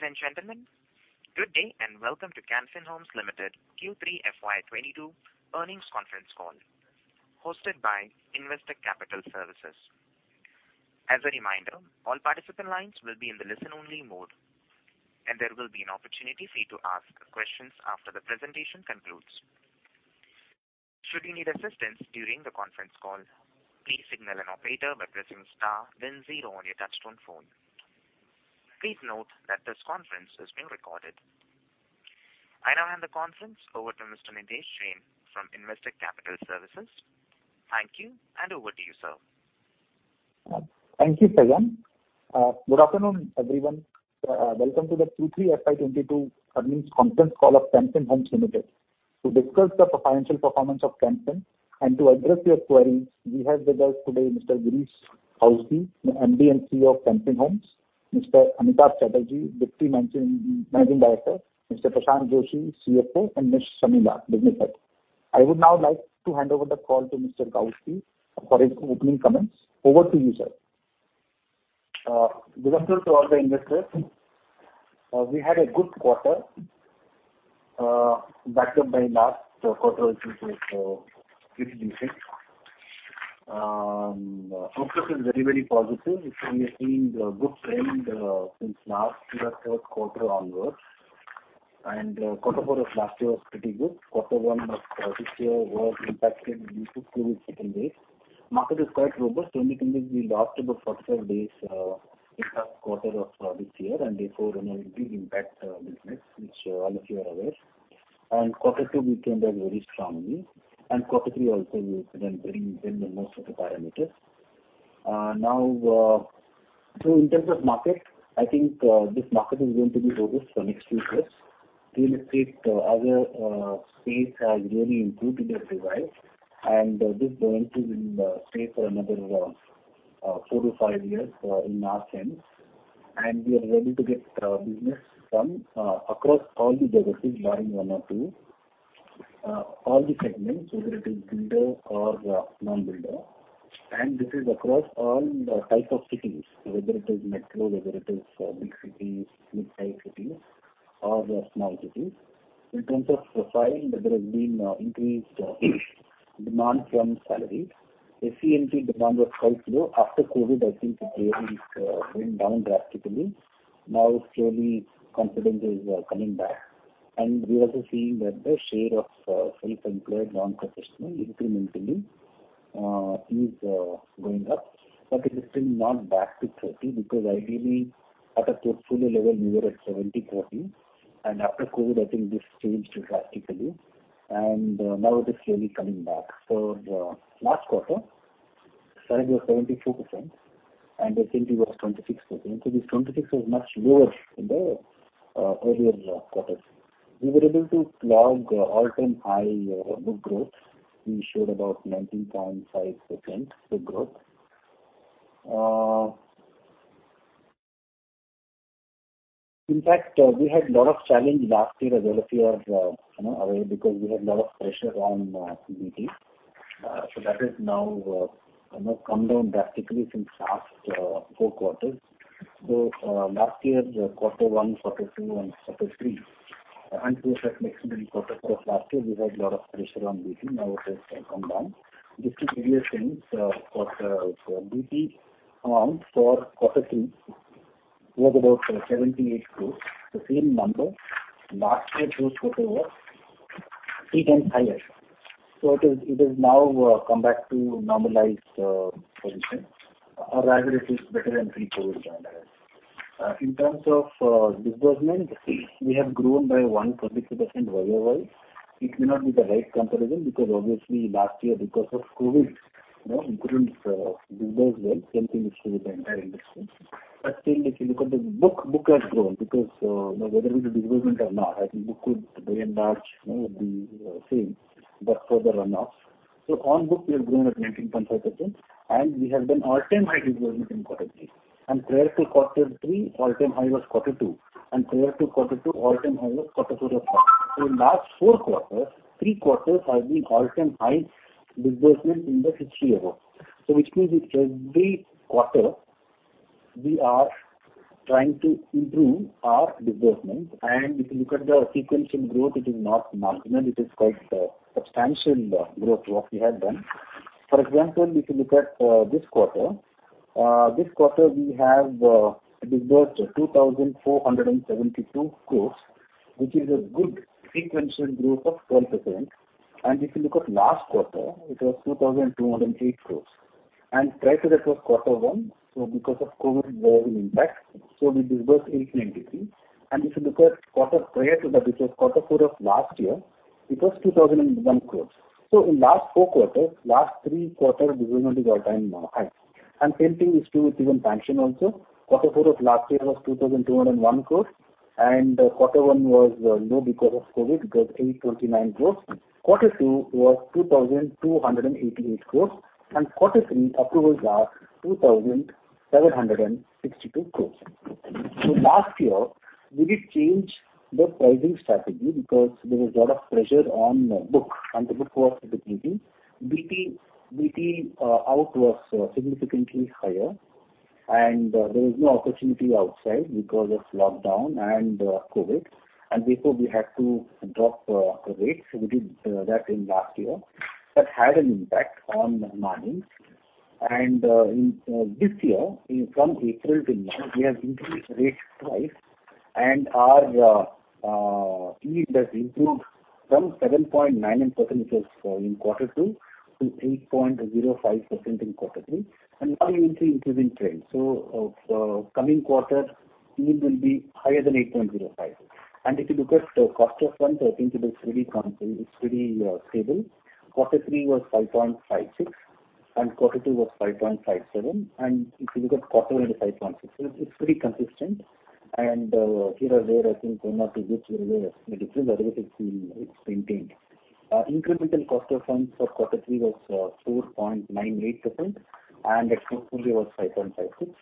Ladies and gentlemen, good day and welcome to Can Fin Homes Limited Q3 FY 2022 Earnings Conference Call hosted by Investec Capital Services. As a reminder, all participant lines will be in the listen-only mode, and there will be an opportunity for you to ask questions after the presentation concludes. Should you need assistance during the conference call, please signal an operator by pressing star then zero on your touchtone phone. Please note that this conference is being recorded. I now hand the conference over to Mr. Nidhesh Jain from Investec Capital Services. Thank you, and over to you, sir. Thank you, Sayan. Good afternoon, everyone. Welcome to the Q3 FY 2022 Earnings Conference Call of Can Fin Homes Limited. To discuss the financial performance of Can Fin and to address your queries, we have with us today Mr. Girish Kousgi, MD and CEO of Can Fin Homes, Mr. Amitabh Chatterjee, Deputy Managing Director, Mr. Prashanth Joishy, CFO, and Ms. Shamila, Business Head. I would now like to hand over the call to Mr. Kousgi for his opening comments. Over to you, sir. Good afternoon to all the investors. We had a good quarter, backed up by last quarter, which was pretty decent. Outlook is very, very positive. We've been making good trend since last year third quarter onwards. Quarter 4 of last year was pretty good. Quarter 1 of this year was impacted due to COVID second wave. The market is quite robust. Only in this we lost about 45 days in first quarter of this year, and therefore going to have big impact on business, which all of you are aware. Quarter 2 we came back very strongly, and quarter 3 also we've done very well in most of the parameters. In terms of market, I think this market is going to be robust for next few years. Real estate as a space has really improved in the last decade. This is going to remain the same for another 4-5 years, in our sense. We are able to get business from across all the geographies barring one or two, all the segments, whether it is builder or non-builder. This is across all the types of cities, whether it is metro, whether it is big cities, mid-size cities, or small cities. In terms of profile, there has been increased demand from salaried. SE and PE demand was quite low. After COVID, I think it really went down drastically. Now slowly confidence is coming back. We're also seeing that the share of self-employed non-professional incrementally is going up. It is still not back to 30 because ideally at a portfolio level we were at 70-30, and after COVID I think this changed drastically, and now it is slowly coming back. The last quarter, salaried was 74% and SE and PE was 26%. This 26% is much lower than the earlier quarters. We were able to log all-time high book growth. We showed about 19.5% book growth. In fact, we had a lot of challenge last year as all of you are, you know, aware because we had a lot of pressure on NIM. So that has now, you know, come down drastically since last 4 quarters. Last year's quarter 1, quarter 2, and quarter 3, and to a certain extent quarter 4 of last year, we had a lot of pressure on BT. Now it has come down. Just to give you a sense, for the BT amount for quarter 3 was about 78 crore. The same number last year those quarter was 3x higher. It has now come back to normalized position, or rather it is better than pre-COVID time, I guess. In terms of disbursement, we have grown by 1.2% year-over-year. It may not be the right comparison because obviously last year because of COVID, you know, impaired disbursement. Same thing is true with the entire industry. Still, if you look at the book, the book has grown because you know, whether we do disbursement or not, I think book would by and large, you know, be same, but for the run-offs. On book we have grown at 19.5%, and we have done all-time high disbursement in quarter 3. Prior to quarter 3, all-time high was quarter 2. Prior to quarter 2, all-time high was quarter 4 of last year. In last four quarters, three quarters have been all-time high disbursement in the history ever. Which means with every quarter we are trying to improve our disbursement. If you look at the sequential growth, it is not marginal. It is quite substantial growth what we have done. For example, if you look at this quarter, this quarter we have disbursed 2,472 crores, which is a good sequential growth of 12%. If you look at last quarter, it was 2,208 crores. Prior to that was quarter 1, so because of COVID there was an impact, so we disbursed 823. If you look at quarter prior to that, which was quarter 4 of last year, it was 2,001 crores. In last four quarters, last three quarters disbursement is all-time high. Same thing is true with even sanction also. Quarter 4 of last year was 2,201 crores. Quarter 1 was low because of COVID. It was 829 crores. Quarter 2 was 2,288 crores. Quarter 3, October-March, 2,762 crore. Last year we did change the pricing strategy because there was a lot of pressure on book, and the book was decreasing. BT out was significantly higher. There is no opportunity outside because of lockdown and COVID. Before we had to drop the rates, we did that in last year. That had an impact on margins. In this year, from April till now, we have increased rates twice and our yield has improved from 7.9% in quarter 2 to 8.05% in quarter 3. Now you will see increasing trend. For coming quarter, yield will be higher than 8.05%. If you look at the cost of funds, I think it is pretty constant. It's pretty stable. Quarter 3 was 5.56% and quarter 2 was 5.57%. If you look at quarter 1 is 5.6%. It's pretty consistent and here or there I think one or two basis points difference, otherwise it's maintained. Incremental cost of funds for quarter 3 was 4.98% and it previously was 5.56%.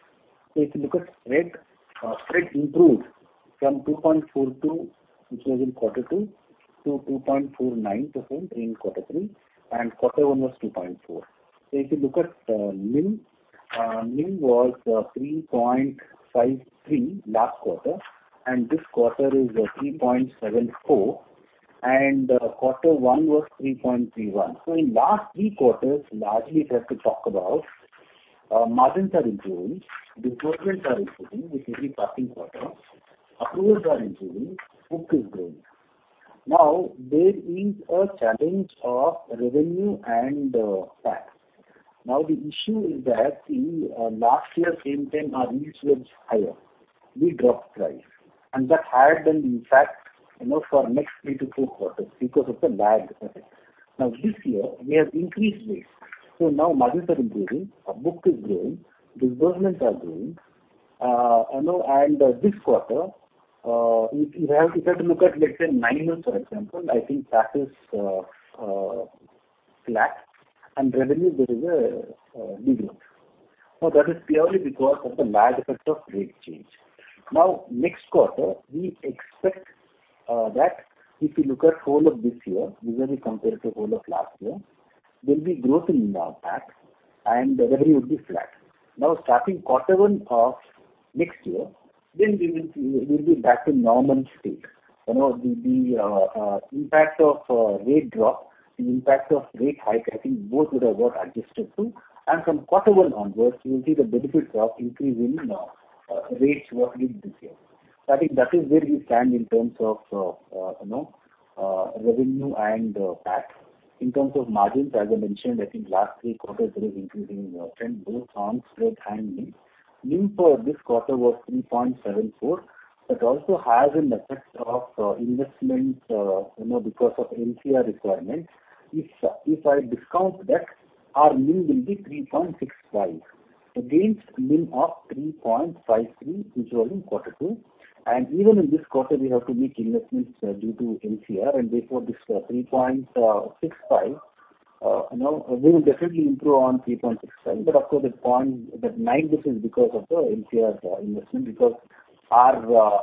If you look at rate improved from 2.42% which was in quarter 2 to 2.49% in quarter 3 and quarter 1 was 2.4%. If you look at NIM was 3.53% last quarter, and this quarter is 3.74% and quarter 1 was 3.31%. In last three quarters, largely if I have to talk about, margins are improving, disbursements are improving with every passing quarter, approvals are improving, book is growing. Now, there is a challenge of revenue and PAT. Now the issue is that in last year same time our yields were higher. We dropped price and that had an impact, you know, for next 3-4 quarters because of the lag effect. Now this year we have increased rates so now margins are improving, our book is growing, disbursements are growing, you know, and this quarter, if I have to look at let's say nine months for example, I think PAT is flat and revenue there is a decline. Now that is purely because of the lag effect of rate change. Now next quarter we expect that if you look at whole of this year, visually compared to whole of last year, there will be growth in our PAT and revenue would be flat. Now starting quarter 1 of next year then we will see, we'll be back to normal state. You know, the impact of rate drop and impact of rate hike, I think both would have got adjusted to. From quarter 1 onwards you will see the benefit of increase in rates working this year. I think that is where we stand in terms of you know revenue and PAT. In terms of margins as I mentioned, I think last three quarters it is increasing in both on spread and NIM. NIM for this quarter was 3.74% but also has an effect of investments you know because of NCR requirements. If I discount that our NIM will be 3.65% against NIM of 3.53% which was in quarter 2. Even in this quarter we have to make investments due to NCR and therefore this 3.65%, you know, we will definitely improve on 3.65% but of course that point, that 9 basis points is because of the NCR investment because our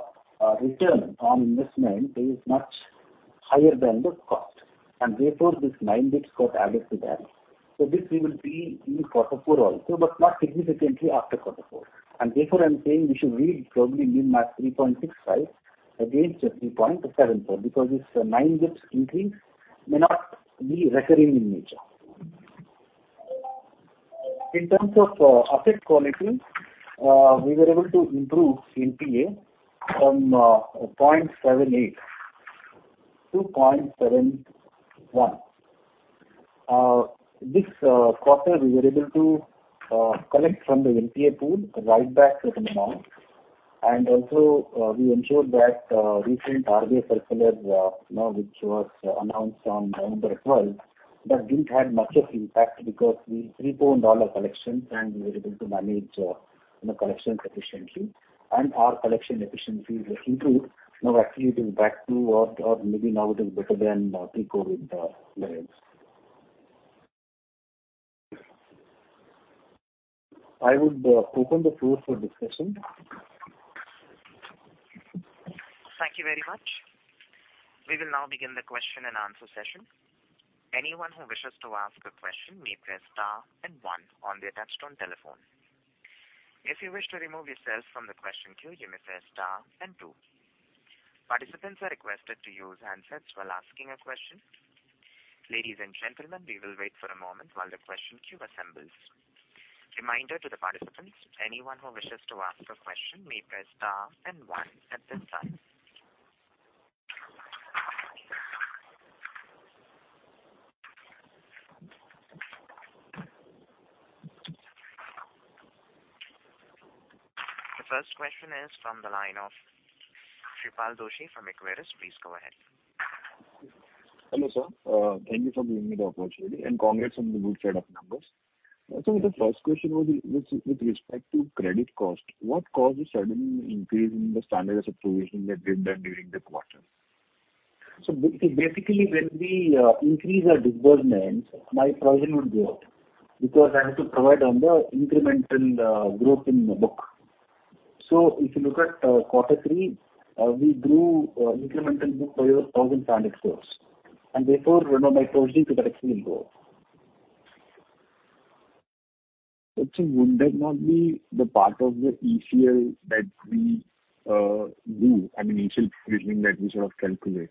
return on investment is much higher than the cost and therefore this 9 basis points got added to that. This we will see in quarter 4 also but not significantly after quarter 4. Therefore I am saying we should read probably NIM as 3.65% against 3.74% because this 9 basis points increase may not be recurring in nature. In terms of asset quality, we were able to improve NPA from 0.78%-0.71%. This quarter we were able to collect from the NPA pool, write back certain amount and also, we ensured that recent RBI circular, you know, which was announced on November twelfth, that didn't have much of impact because we preponed all our collections and we were able to manage, you know, collection efficiency and our collection efficiency has improved. Now actually it is back to or maybe now it is better than pre-COVID levels. I would open the floor for discussion. Thank you very much. We will now begin the question-and-answer session. Anyone who wishes to ask a question may press star and one on their touchtone telephone. If you wish to remove yourself from the question queue, you may say star and two. Participants are requested to use handsets while asking a question. Ladies and gentlemen, we will wait for a moment while the question queue assembles. Reminder to the participants, anyone who wishes to ask a question may press star and one at this time. The first question is from the line of Shreepal Doshi from Equirus. Please go ahead. Hello, sir. Thank you for giving me the opportunity and congrats on the good set of numbers. The first question was with respect to credit cost, what caused the sudden increase in the standard asset provision that you have done during the quarter? Basically when we increase our disbursements my provision would go up because I have to provide on the incremental growth in the book. If you look at quarter 3, we grew incremental book by over 1,000 crore and therefore, you know, my provisioning to collection will go up. Would that not be the part of the ECL that we do? I mean, ECL provisioning that we sort of calculate.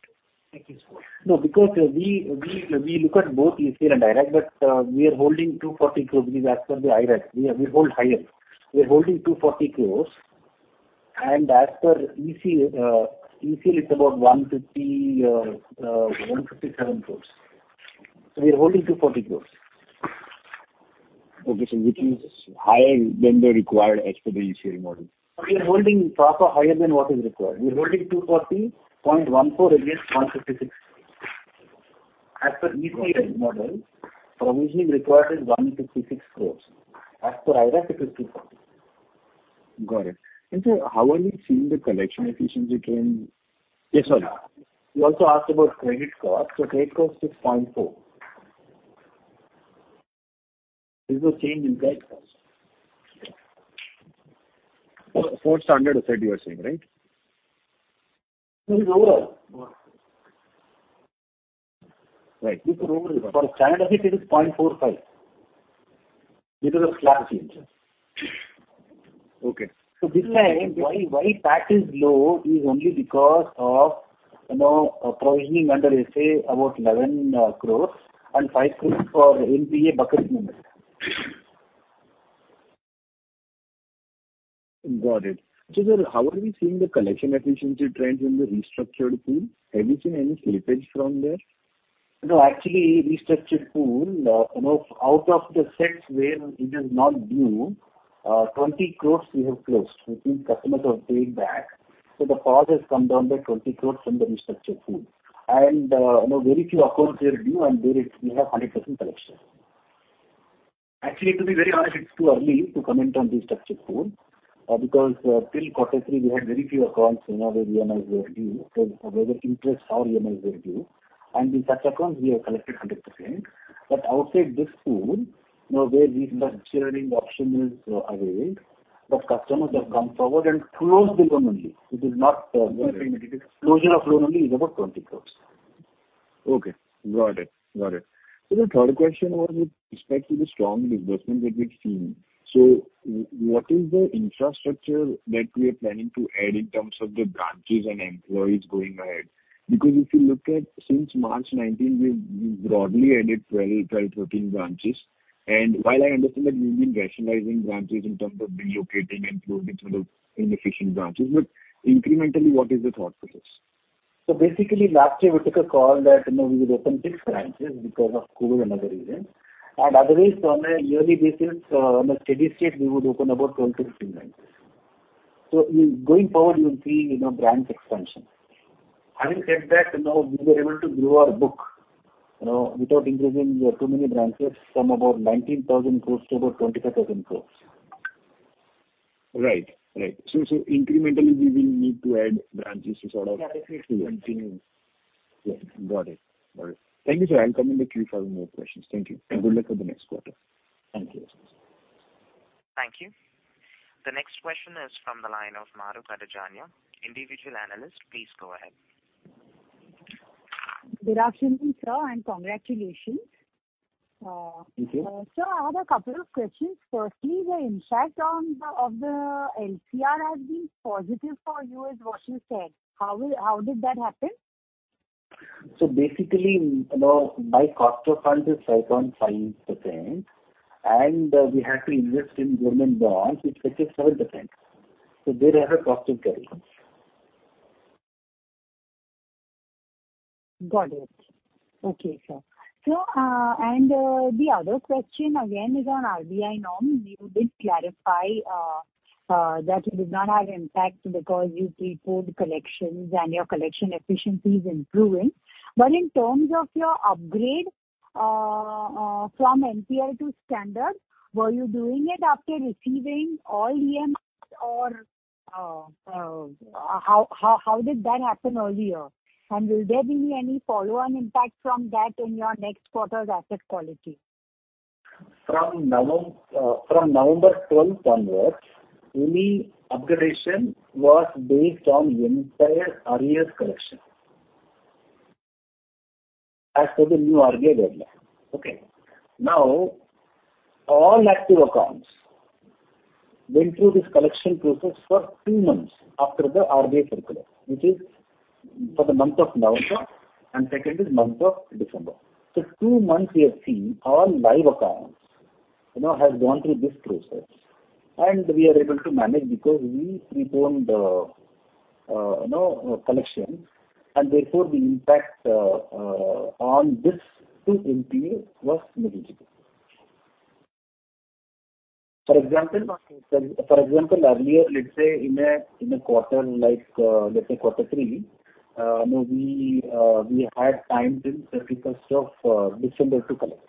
No, because we look at both ECL and IRAC but we are holding 240 crores because as per the IRAC we hold higher. We are holding 240 crores and as per ECL it's about 157 crores. We are holding INR 240 crores. Which is higher than the required as per the ECL model. We are holding properly higher than what is required. We are holding 240.14 crores against 156 crores. As per ECL model, provisioning required is 156 crores. As per IRAC it is 240 crores. Got it. How are we seeing the collection efficiency trend? Yes, sir. You also asked about credit cost. Credit cost is 0.4%. There's no change in credit cost. 0.4% standard you said you are saying, right? Right. This is overall. For standard it is 0.45% due to the slab change. This is why PAT is low is only because of, you know, provisioning under SA about 11 crore and 5 crore for NPA bucket limit. Got it. So sir how are we seeing the collection efficiency trends in the restructured pool? Have you seen any slippage from there? No, actually restructured pool, you know, out of the sets where it is not due, twenty crores we have closed, which means customers have paid back. So the pause has come down by 20 crore from the restructured pool. You know, very few accounts were due and there is. We have 100% collection. Actually it will be very hard, it's too early to comment on restructured pool, because till quarter 3 we had very few accounts, you know, where EMIs were due because whether interest or EMIs were due. In such accounts we have collected 100%. Outside this pool, you know, where restructuring option is availed but customers have come forward and closed the loan only. It is not. Closure of loan only is about INR 20 crore. Got it. The third question was with respect to the strong disbursements that we've seen. What is the infrastructure that we are planning to add in terms of the branches and employees going ahead? Because if you look at since March 2019 we've broadly added 12-13 branches. While I understand that we've been rationalizing branches in terms of relocating and closing some of inefficient branches, but incrementally what is the thought for this? Basically last year we took a call that, you know, we would open 6 branches because of COVID and other reasons. Otherwise on a yearly basis, on a steady state we would open about 12-13 branches. In going forward you will see, you know, branch expansion. Having said that, you know, we were able to grow our book, you know, without increasing too many branches from about 19,000 crores to about 25,000 crores. Right. So incrementally we will need to add branches to continue. Yeah. Got it. Thank you, sir. I'll come in the queue for more questions. Thank you. Thank you. Good luck for the next quarter. Thank you. Thank you. The next question is from the line of Madhu Kadajanya, Individual Analyst. Please go ahead. Good afternoon, sir, and congratulations. Thank you. Sir, I have a couple of questions. Firstly, the impact of the LCR has been positive for you, is what you said. How did that happen? Basically, you know, my cost of fund is 5.5% and we have to invest in government bonds which fetches 7%. There I have a positive carry. The other question again is on RBI norm. You did clarify that you did not have impact because you preponed collections and your collection efficiency is improving. But in terms of your upgrade from NPA to standard, were you doing it after receiving all EMIs or how did that happen earlier? And will there be any follow-on impact from that in your next quarter's asset quality? From November 12 onwards, any upgradation was based on entire arrears collection as per the new RBI guideline. Now all active accounts went through this collection process for two months after the RBI circular, which is for the month of November, and second is month of December. Two months we have seen all live accounts, you know, has gone through this process and we are able to manage because we preponed, you know, collection and therefore the impact on this to NPL was negligible. For example, earlier let's say in a quarter like, let's say quarter 3, you know we had timed in 31st of December to collect.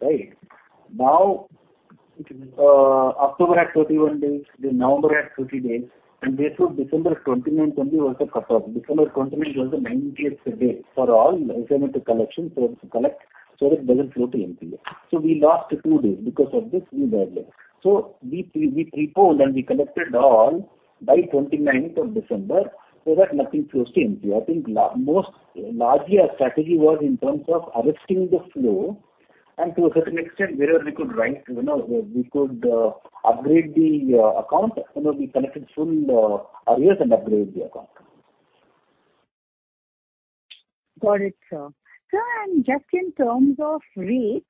Right? Now, October had 31 days, then November had 30 days, and therefore December 29th only was the cut off. December 29th was the 90th day for all NCM to collection for us to collect so that it doesn't flow to NPA. We lost 2 days because of this new deadline. We pre-pulled and we collected all by 29th of December so that nothing flows to NPA. I think largely our strategy was in terms of arresting the flow and to a certain extent wherever we could, you know, we could upgrade the account, you know, we collected full arrears and upgrade the account. Got it, sir. Sir, just in terms of rates,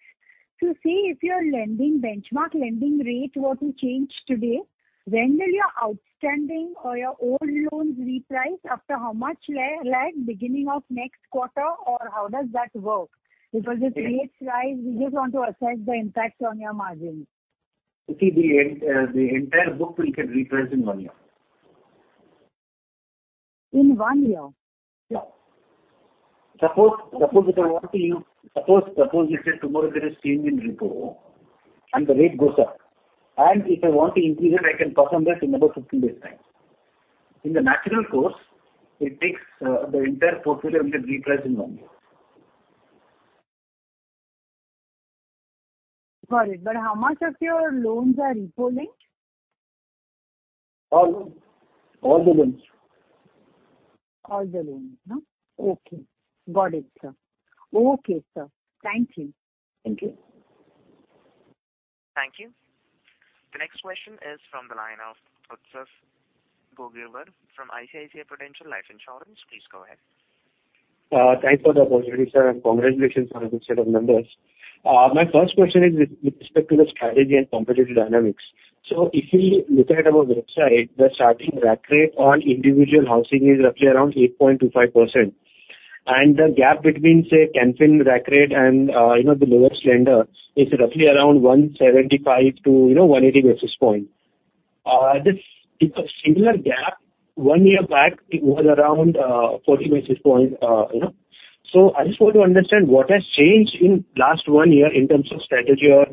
say if your lending benchmark lending rate were to change today, when will your outstanding or your old loans reprice? After how much lag, beginning of next quarter or how does that work? Because if rates rise, we just want to assess the impact on your margins. You see the entire book will get repriced in one year. In one year? Yeah. Suppose let's say tomorrow there is change in repo and the rate goes up, and if I want to increase it, I can pass on that in about 15 days' time. In the natural course, the entire portfolio will get repriced in one year. Got it. How much of your loans are repo linked? All the loans. All the loans, no? Got it, sir. Thank you. Thank you. Thank you. The next question is from the line of Utsav Gogirwar from ICICI Prudential Life Insurance. Please go ahead. Thanks for the opportunity, sir, and congratulations on a good set of numbers. My first question is with respect to the strategy and competitive dynamics. If we look at our website, the starting rack rate on individual housing is roughly around 8.25%. The gap between, say, Can Fin rack rate and, you know, the lowest lender is roughly around 175-180 basis points. This is a similar gap. One year back it was around 40 basis points, you know. I just want to understand what has changed in last one year in terms of strategy or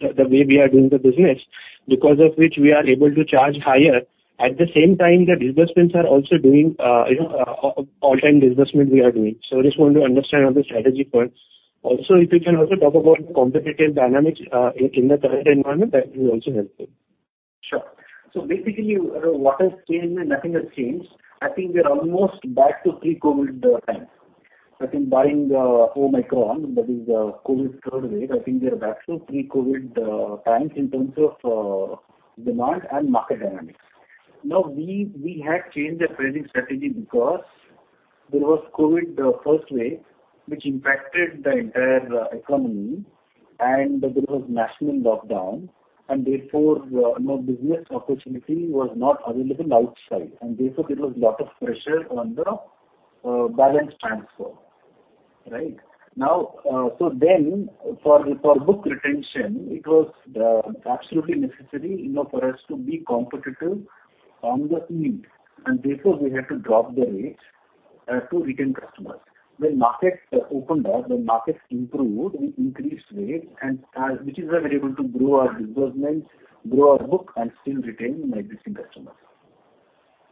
the way we are doing the business because of which we are able to charge higher. At the same time, the disbursements are also doing, you know, all time disbursement we are doing. I just want to understand on the strategy front. Also, if you can also talk about competitive dynamics, in the current environment, that will be also helpful. Sure. Basically, what has changed? Nothing has changed. I think we are almost back to pre-COVID times. I think barring the Omicron, that is, COVID third wave, I think we are back to pre-COVID times in terms of demand and market dynamics. Now, we had changed our pricing strategy because there was COVID first wave which impacted the entire economy and there was national lockdown and therefore, you know, business opportunity was not available outside and therefore there was lot of pressure on the balance transfer, right? Now, so then for book retention it was absolutely necessary, you know, for us to be competitive on the yield and therefore we had to drop the rates to retain customers. When markets opened up, when markets improved, we increased rates and which is why we were able to grow our disbursements, grow our book and still retain existing customers.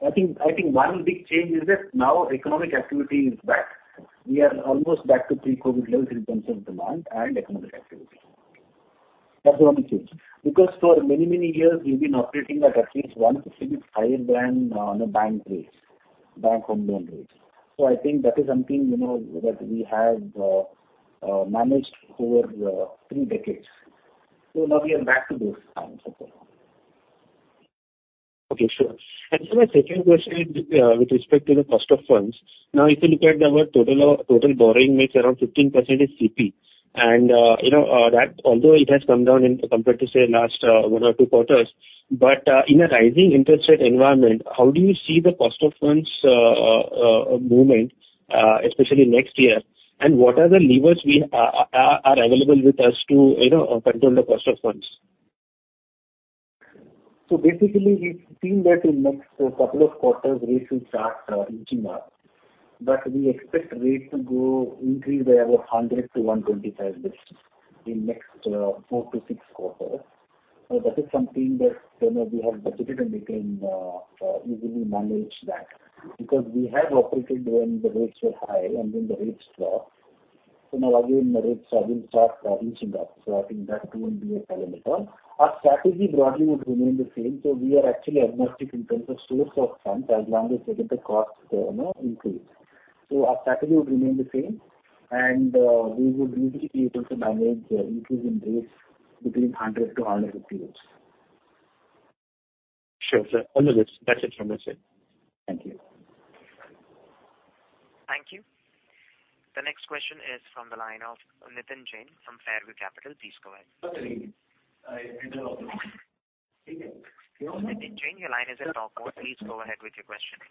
I think one big change is that now economic activity is back. We are almost back to pre-COVID levels in terms of demand and economic activity. That's the only change. Because for many years we've been operating at least 1.50%-5% band on bank rates, bank home loan rates. I think that is something, you know, that we have managed over three decades. Now we are back to those times again. Sure. Then my second question is with respect to the cost of funds. Now, if you look at our total borrowing mix, around 15% is CP. You know that although it has come down as compared to say last one or two quarters, but in a rising interest rate environment, how do you see the cost of funds movement, especially next year? What are the levers that are available with us to you know control the cost of funds? Basically we've seen that in next couple of quarters rates will start inching up. We expect rates to increase by about 100-125 basis points in next 4-6 quarters. That is something that, you know, we have budgeted and we can easily manage that because we have operated when the rates were high and when the rates dropped. Now again the rates are going to start inching up, so I think that wouldn't be a problem at all. Our strategy broadly would remain the same. We are actually agnostic in terms of source of funds as long as, again, the costs, you know, increase. Our strategy would remain the same and we would easily be able to manage increase in rates between 100-150 basis points. Sure, sir. Understood. That's it from my side. Thank you. Thank you. The next question is from the line of Nitin Jain from Fairview Capital. Please go ahead. Sorry, I didn't follow. Nitin Jain, your line is in talk mode. Please go ahead with your question.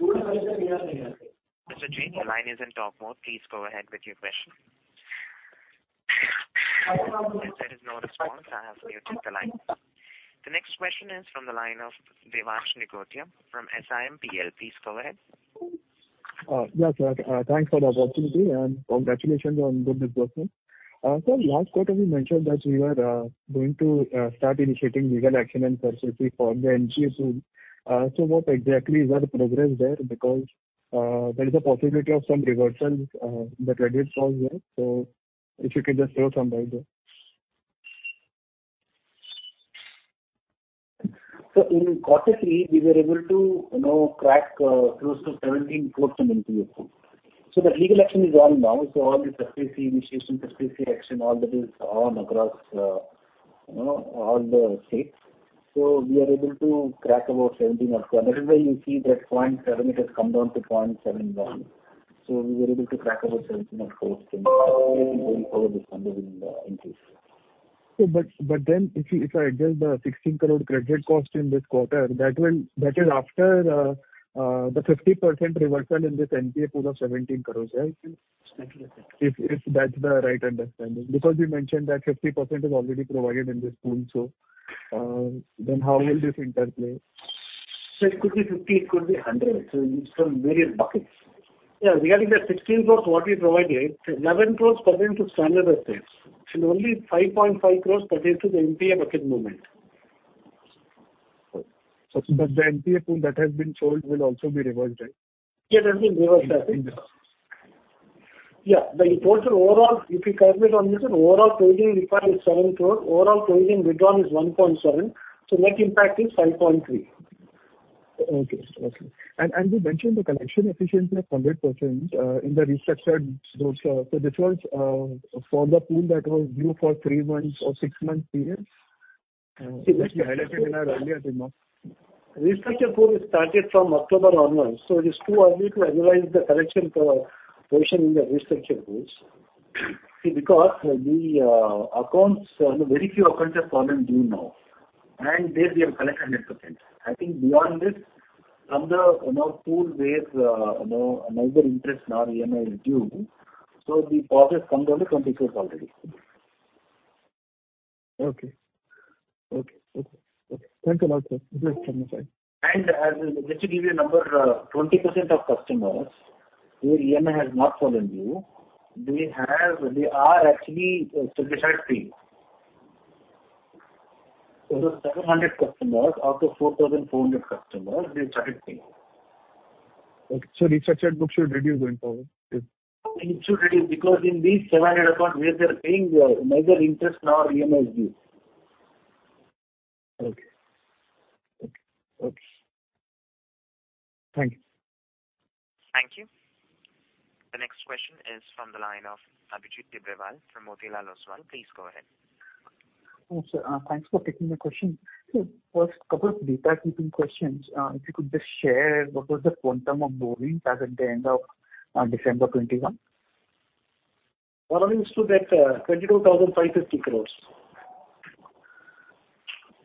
Mr. Jain, your line is in talk mode. Please go ahead with your question. If there is no response, I have to mute the line. The next question is from the line of Devansh Nigotia from SIMPL. Please go ahead. Yes, sir. Thanks for the opportunity and congratulations on good results, sir. Last quarter we mentioned that we are going to start initiating legal action and SARFAESI for the NPA pool. What exactly is the progress there? Because there is a possibility of some reversals that reduce all that. If you could just throw some light there. In quarter 3 we were able to, you know, crack close to 17 accounts from NPA pool. The legal action is on now, all the SARFAESI initiation, SARFAESI action, all that is on across, you know, all the states. We are able to crack about 17 of that. That is why you see that 0.7%, it has come down to 0.71%. We were able to crack about 17 of those going forward this 100 in the NPA. If I adjust the 16 crore credit cost in this quarter, that is after the 50% reversal in this NPA pool of 17 crores, right? Exactly. If that's the right understanding. Because you mentioned that 50% is already provided in this pool, so then how will this interplay? It could be 50%, it could be 100%. It's from various buckets. Yeah, regarding the 16 crores what we provided, 11 crores pertains to standard assets. Only 5.5 crores pertains to the NPA bucket movement. The NPA pool that has been sold will also be reversed, right? That will be reversed, absolutely. The total overall, if you calculate on this one, overall provisioning required is 7 crore. Overall provisioning withdrawn is 1.7 crore. Net impact is 5.3 crore. You mentioned the collection efficiency of 100% in the restructured books. This was for the pool that was due for three months or six months periods? As you highlighted in our earlier remarks. Restructured pool started from October onwards, so it is too early to analyze the collection position in the restructured pools. Because the accounts, you know, very few accounts have fallen due now. There we have collected 100%. I think beyond this, from the, you know, pool where, you know, neither interest nor EMI is due, so the progress comes down to 24% already. Thank you a lot, sir. This is clear now. Bye. Let me give you a number. 20% of customers where EMI has not fallen due, they have, they are actually, they started paying. 700 customers out of 4,400 customers, they started paying. Restructured books should reduce going forward. It should reduce because in these 700 accounts where they are paying, neither interest nor EMI is due. Okay. Thank you. Thank you. The next question is from the line of Abhijit Tibrewal from Motilal Oswal. Please go ahead. Sir, thanks for taking the question. First, couple of housekeeping questions. If you could just share what was the quantum of borrowings as at the end of December 2021? Borrowings stood at 22,550 crore.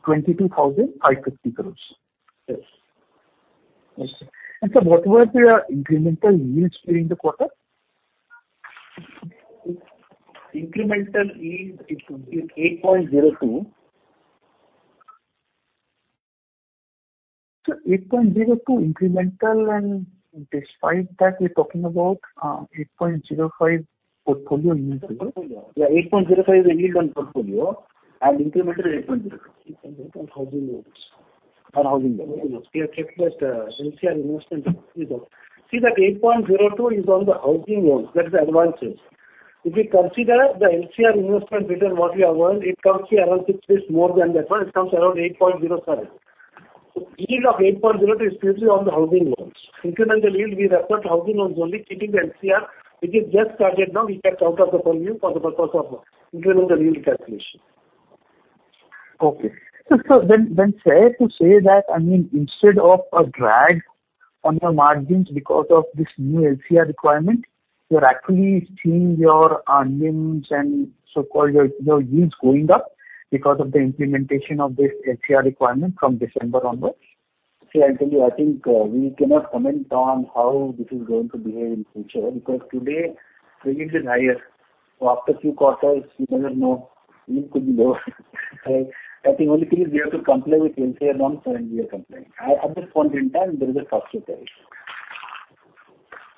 22,550 crores. Yes. Sir, what was your incremental yield during the quarter? Incremental yield is 8.02%. 8.02% incremental and despite that, we're talking about 8.05% portfolio yield. Yeah, 8.05% is yield on portfolio and incremental is 8.02%. 8.02% on housing loans. On housing loans. Okay. HDFC's MCR investment is out. See that 8.02% is on the housing loans. That is the advance change. If you consider the MCR investment return what we have earned, it comes to around six basis more than that one. It comes around 8.07%. Yield of 8.02% is purely on the housing loans. Incremental yield we record housing loans only keeping the MCR because just started now, we kept out of the purview for the purpose of incremental yield calculation. Fair to say that, I mean, instead of a drag on your margins because of this new LCR requirement, you're actually seeing your NIMs and so-called your yields going up because of the implementation of this LCR requirement from December onwards? See, I tell you, I think, we cannot comment on how this is going to behave in future because today premium is higher. After a few quarters, you never know, NIM could be lower. I think only thing is we have to comply with LCR norms and we are complying. At this point in time, there is a structural change.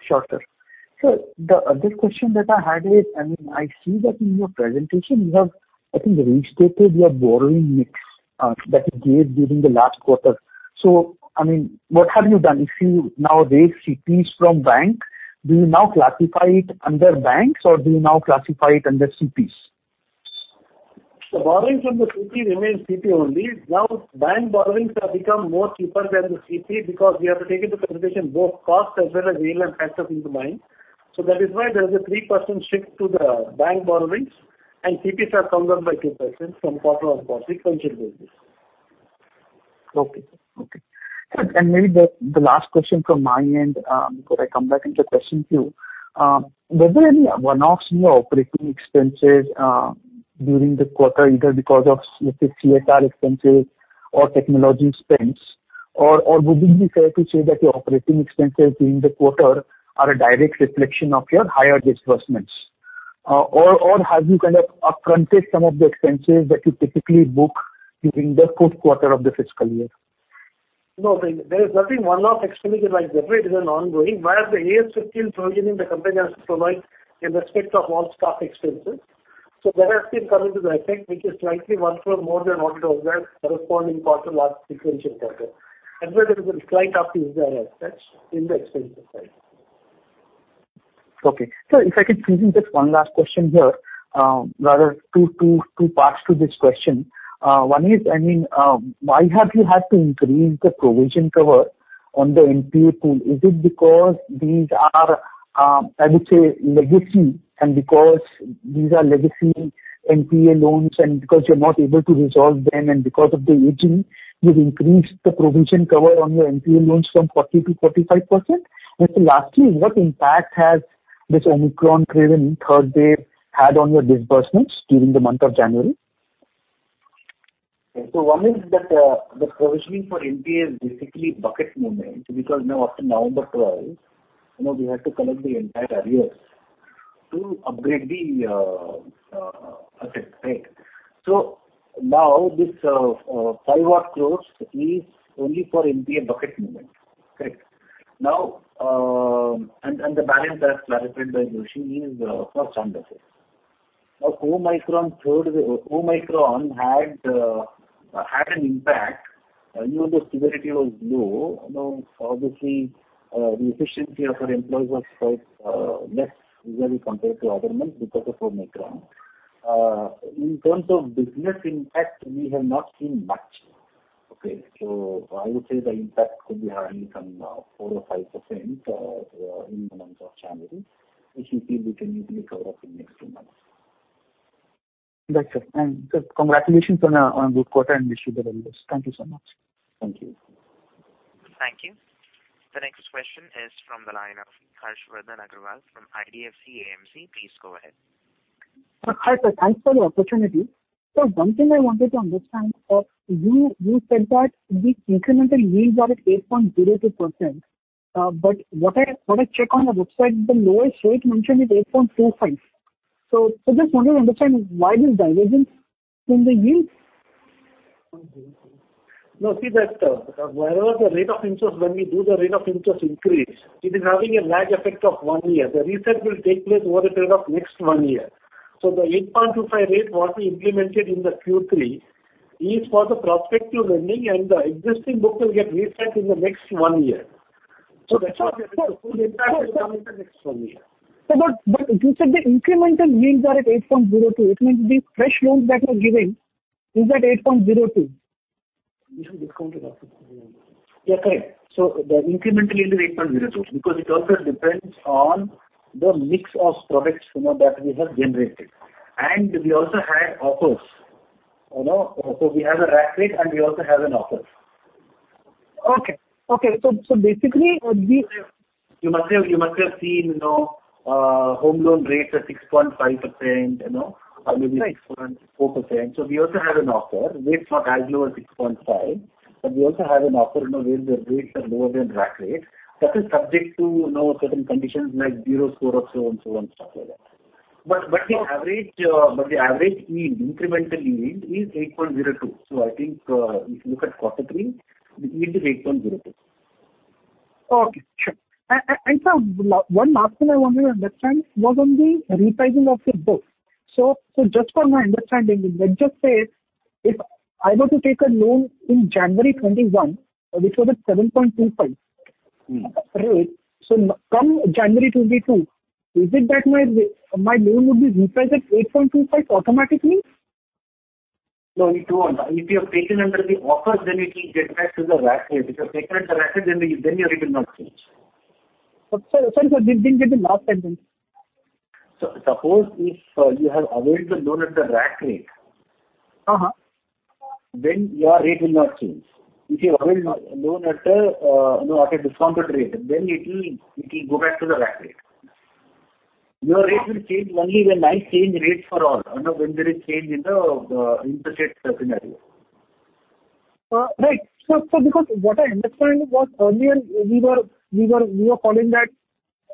Sure, sir. The question that I had is, I mean, I see that in your presentation you have, I think, restated your borrowing mix that you gave during the last quarter. I mean, what have you done? If you now raise CPs from bank, do you now classify it under banks or do you now classify it under CPs? Borrowings from the CP remains CP only. Now bank borrowings have become more cheaper than the CP because we have to take into consideration both cost as well as yield and factors into mind. That is why there is a 3% shift to the bank borrowings and CTs have come down by 2% from quarter-on-quarter sequential basis. Maybe the last question from my end, before I come back into question queue, were there any one-offs in your operating expenses during the quarter either because of let's say CLTR expenses or technology spends? Or would it be fair to say that your operating expenses during the quarter are a direct reflection of your higher disbursements? Or have you kind of up-fronted some of the expenses that you typically book during the fourth quarter of the fiscal year? No, there is nothing one-off expenses like that. It is an ongoing. Whereas the AS 15 provisioning, the company has to provide in respect of all staff expenses. So that has been coming into effect, which is slightly one quarter more than what it was in the corresponding quarter last sequential quarter. Where there is a slight uptick as such in the expenses side. Okay. Sir, if I could squeeze in just one last question here, rather two parts to this question. One is, I mean, why have you had to increase the provision cover on the NPA pool? Is it because these are, I would say legacy, and because these are legacy NPA loans and because you're not able to resolve them and because of the aging, you've increased the provision cover on your NPA loans from 40%-45%? Lastly, what impact has this Omicron variant third wave had on your disbursements during the month of January? One is that, the provisioning for NPA is basically bucket movement because now after November 12, you know, we have to collect the entire arrears to upgrade the asset. Right? Now this 5 crore is only for NPA bucket movement. Right? Now, and the balance as clarified by Joishy is for standard assets. Now, Omicron had an impact even though severity was low. You know, obviously, the efficiency of our employees was quite less usually compared to other months because of Omicron. In terms of business impact, we have not seen much. I would say the impact could be hardly some 4% or 5% in the month of January, which we feel we can easily cover up in next two months. That's it. Congratulations on a good quarter, and wish you the very best. Thank you so much. Thank you. Thank you. The next question is from the line of Harshvardhan Agrawal from IDFC AMC. Please go ahead. Harsh, thanks for the opportunity. One thing I wanted to understand, you said that the incremental yields are at 8.02%. What I check on your website, the lowest rate mentioned is 8.25%. Just wanted to understand why this divergence in the yields? No, see that, wherever the rate of interest when we do the rate of interest increase, it is having a lag effect of one year. The reset will take place over a period of next one year. The 8.25% rate what we implemented in the Q3 is for the prospective lending and the existing book will get reset in the next one year. The full impact will come in the next one year. Sir, you said the incremental yields are at 8.02%. It means the fresh loans that you're giving is at 8.02%. Yes, correct. The incremental yield is 8.02% because it also depends on the mix of products, you know, that we have generated. We also have offers, you know. We have a rack rate, and we also have an offer. You must have seen, you know, home loan rates are 6.5%, you know. Maybe 6.4%. We also have an offer. Rates not as low as 6.5%, but we also have an offer, you know, where the rates are lower than rack rate. That is subject to, you know, certain conditions like zero CIBIL Score up to so and so and stuff like that. But the average yield, incremental yield is 8.02%. I think, if you look at quarter 3, the yield is 8.02%. Okay, sure. Sir, one last thing I wanted to understand was on the repricing of your books. Just for my understanding, let's just say if I were to take a loan in January 2021, which was at 7.25% rate, so come January 2022, is it that my loan would be repriced at 8.25% automatically? No, it won't. If you have taken under the offer, then it will get back to the rack rate. If you have taken at the rack rate, then your rate will not change. Sir, sorry sir. This thing will be lost then. Suppose if you have availed the loan at the rack rate, your rate will not change. If you avail a loan at a discounted rate, it'll go back to the rack rate. Your rate will change only when I change rates for all, when there is change in the interest rate scenario. Because what I understand was earlier we were calling that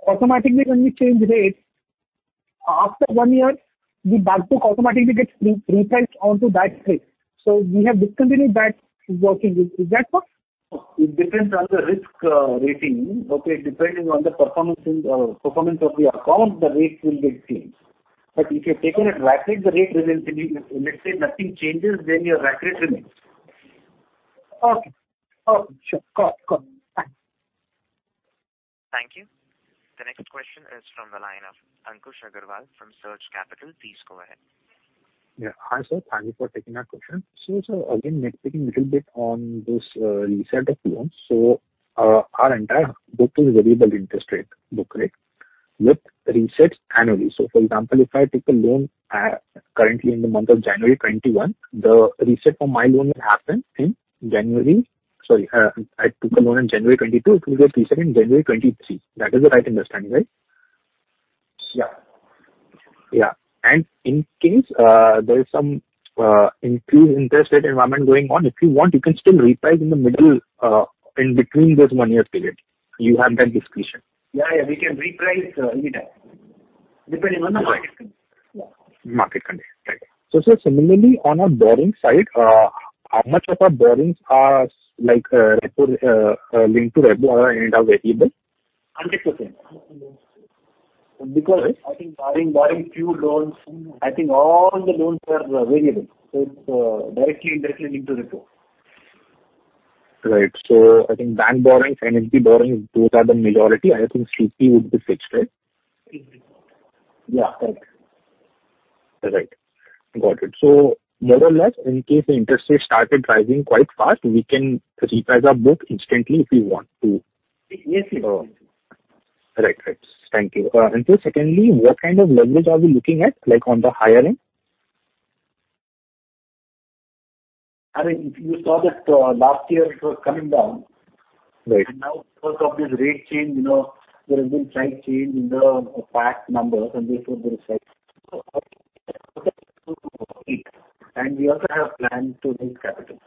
automatically when we change rates, after one year, the back book automatically gets repriced onto that rate. We have discontinued that working. Is that so? It depends on the risk rating. Depending on the performance of the account, the rates will get changed. If you have taken at rack rate, the rate remains same. If let's say nothing changes, then your rack rate remains. Okay. Sure. Got it. Thanks. Thank you. The next question is from the line of Ankush Agrawal from Surge Capital. Please go ahead. Yeah. Hi, sir. Thank you for taking our question. So again, maybe speaking a little bit on this reset of loans. Our entire book is variable interest rate book, right? With resets annually. For example, if I take a loan in January 2022, it will get reset in January 2023. That is the right understanding, right? In case there is some increased interest rate environment going on, if you want, you can still reprice in the middle, in between this one year period. You have that discretion. Yeah, yeah. We can reprice anytime depending on the market condition. Yeah. Market condition. Right. Sir, similarly on our borrowing side, how much of our borrowings are like repo linked to repo and are variable? 100%. Because I think barring few loans, I think all the loans are variable. It's directly and indirectly linked to repo. Right. I think bank borrowings, NBFC borrowings, those are the majority. I think CP would be fixed, right? Yeah, correct. Right. Got it. More or less, in case the interest rates started rising quite fast, we can reprice our book instantly if we want to. Yes, we can. Right. Thank you. Secondly, what kind of leverage are we looking at, like, on the higher end? I mean, you saw that, last year it was coming down. Right. Now because of this rate change, you know, there has been slight change in the PAC numbers and therefore there is slight. We also have plan to raise capital.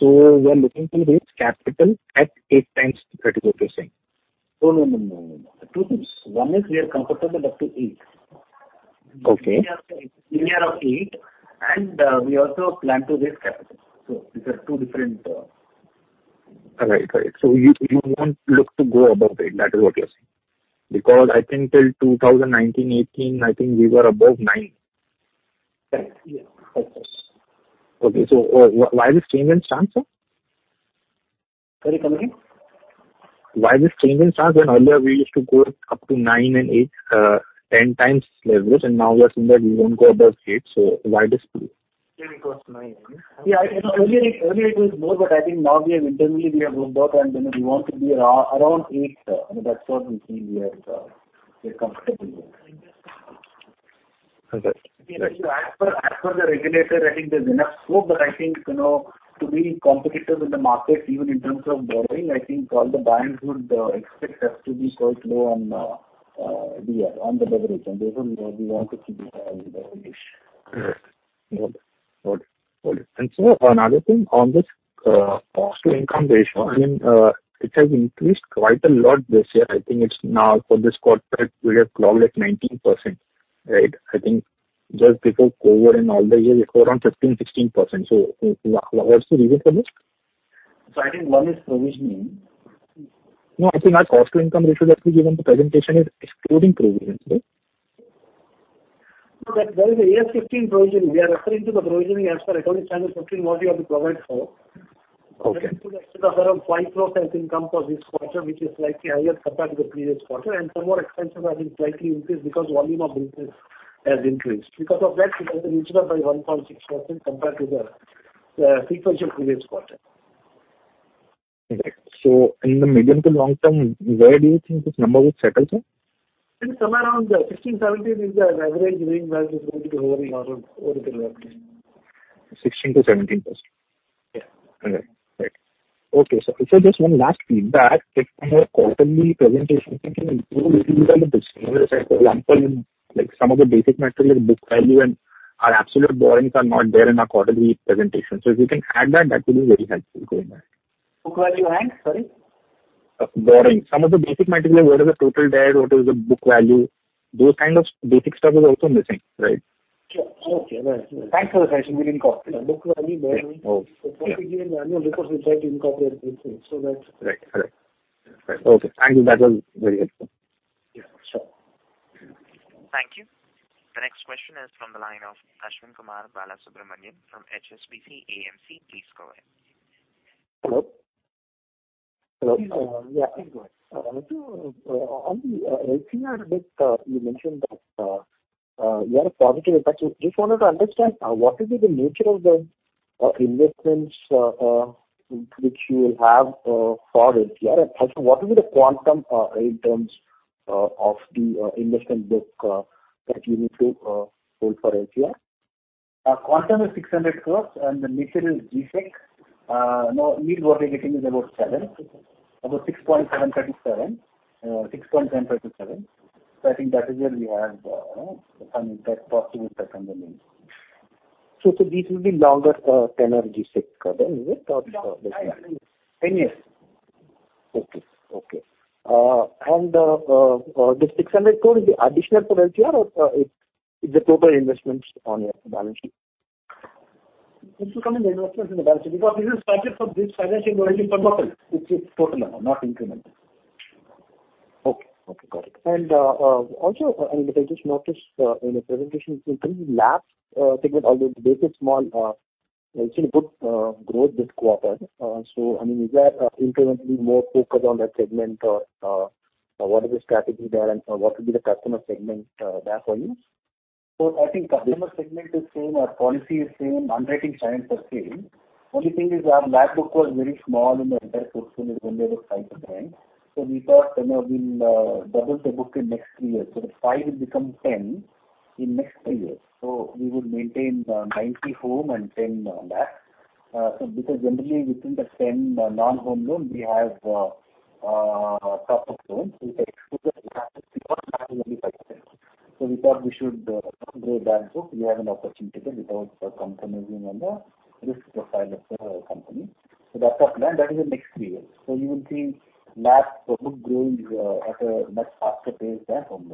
We are looking to raise capital at 8x, is that what you're saying? Two things. One is we are comfortable up to 8x. We are up to 8x and we also plan to raise capital. These are two different Right. You won't look to go above 8x, that is what you're saying? Because I think till 2019, 2018, I think we were above 9x. Yeah. Of course. Okay. Why this change in stance, sir? Sorry, come again. Why this change in stance when earlier we used to go up to 9x and 8x, 10x leverage, and now we are seeing that you won't go above 8x. Why this change? Earlier it was 9x. Earlier it was more, but I think now we have internally looked at and, you know, we want to be around 8x. I mean, that's what we feel we are comfortable with. Okay. Right. As per the regulator, I think there's enough scope. I think, you know, to be competitive in the market, even in terms of borrowing, I think all the banks would expect us to be quite low on the leverage. Therefore, you know, we want to keep it within reach. Right. Got it. Sir, another thing on this, the cost-to-income ratio. I mean, it has increased quite a lot this year. I think it's now for this quarter it will be around like 19%, right? I think just before COVID and all the year it was around 15%, 16%. What's the reason for this? I think one is provisioning. No, I think our cost to income ratio that we gave in the presentation is excluding provisions, right? No, there is an AS 15 provision. We are referring to the provisioning as per Accounting Standard 14 what we have to provide for. Okay. That includes extra cost around 5 crore, I think, come for this quarter, which is slightly higher compared to the previous quarter. Some more expenses have been slightly increased because volume of business has increased. Because of that, it has increased by 1.6% compared to the previous quarter. Right. In the medium to long term, where do you think this number would settle, sir? It is somewhere around 16%-17%. is the average range that is going to hover around over the next. All right. Just one last feedback. Like in our quarterly presentation, can you include like some of the basic metric like book value and our absolute borrowings are not there in our quarterly presentation. If you can add that will be very helpful going back. Book value and, sorry? Borrowing. Some of the basic metrics like what is the total debt, what is the book value. Those kind of basic stuff is also missing, right? Thanks for the suggestion. We'll incorporate book value, borrowing. Particularly in annual reports we try to incorporate those things so that. Thank you. That was very helpful. Yeah, sure. Thank you. The next question is from the line of Aswin Kumar from HSBC AMC. Please go ahead. I want to on the LCR book you mentioned that you had a positive impact. Just wanted to understand what will be the nature of the investments which you will have for LCR? And also what will be the quantum in terms of the investment book that you need to hold for LCR? Our quantum is 600 crores and the nature is G-Sec. Now yield what we are getting is about 7%. About 6.737%, 6.1037%. I think that is where we have some impact, possible impact on the yield. This will be longer tenor G-Sec, isn't it? No, 10 years. This INR 600 crore is additional for LCR or it's the total investments on your balance sheet? It will come in the investments in the balance sheet because this is started from this financial year only for us. It's total amount, not incremental. Okay. Got it. Also, I mean, I just noticed in the presentation it's been pretty large segment, although the base is small, you've seen a good growth this quarter. I mean, is that incrementally more focused on that segment or what is the strategy there and what will be the customer segment there for you? I think customer segment is same, our policy is same, underwriting clients are same. Only thing is our LAP book was very small in the entire portfolio. It was only about 5%. We thought, you know, we'll double the book in next 3 years. The 5 will become 10 in next 3 years. We will maintain 90 home and 10 LAP. Because generally within the same non-home loan, we have top-up loans. If you exclude that, we have only 5%. We thought we should grow that book. We have an opportunity without compromising on the risk profile of the company. That's our plan. That is in next 3 years. You will see LAP book growing at a much faster pace than home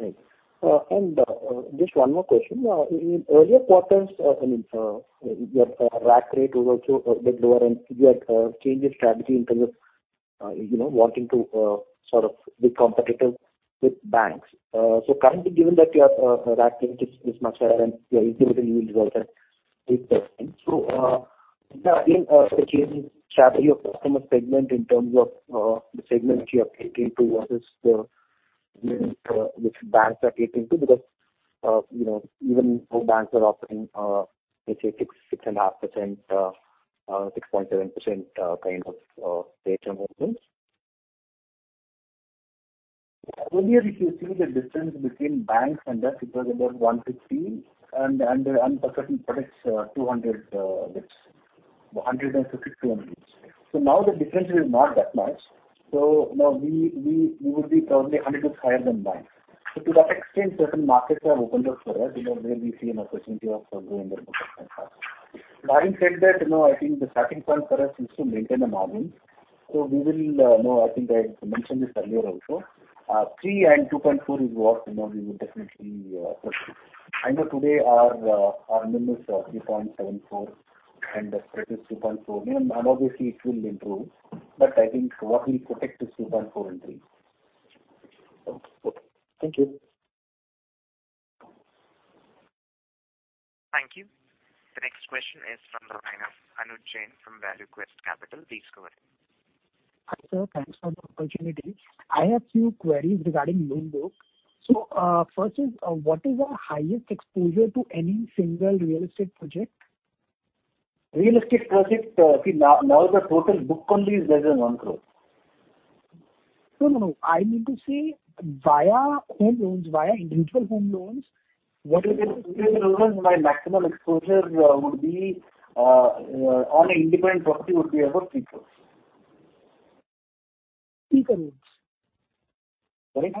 loans. Right. Just one more question. In earlier quarters, I mean, your RAC rate was also a bit lower, and you had changed your strategy in terms of, you know, wanting to sort of be competitive with banks. Currently, given that your RAC rate is much higher and your utility yields also 8%. Is there any change in strategy or customer segment in terms of the segment you are catering to versus the which banks are catering to? Because, you know, even though banks are offering, let's say 6.5%, 6.7%, kind of rate on those loans. Earlier if you see the difference between banks and us, it was about 150 and for certain products, 200. Now the difference is not that much. Now we would be probably 100+ higher than banks. To that extent, certain markets have opened up for us, you know, where we see an opportunity of growing the book at 5%. Having said that, you know, I think the starting point for us is to maintain the margins. We will, you know, I think I mentioned this earlier also, 3% and 2.4% is what, you know, we would definitely pursue. I know today our minimum is 3.74% and the spread is 2.4%. Obviously it will improve, but I think what we protect is 2.4% and 3%. Okay. Thank you. Thank you. The next question is from the line of Anuj Jain from ValueQuest Capital. Please go ahead. Hi, sir. Thanks for the opportunity. I have few queries regarding loan book. First is, what is our highest exposure to any single real estate project? Real estate project. See now, the total book only is less than INR 1 crore. No, no. I mean to say via home loans, via individual home loans. What is? Individual loans, my maximum exposure would be on an independent property about 3 crore. 3 crore. Right.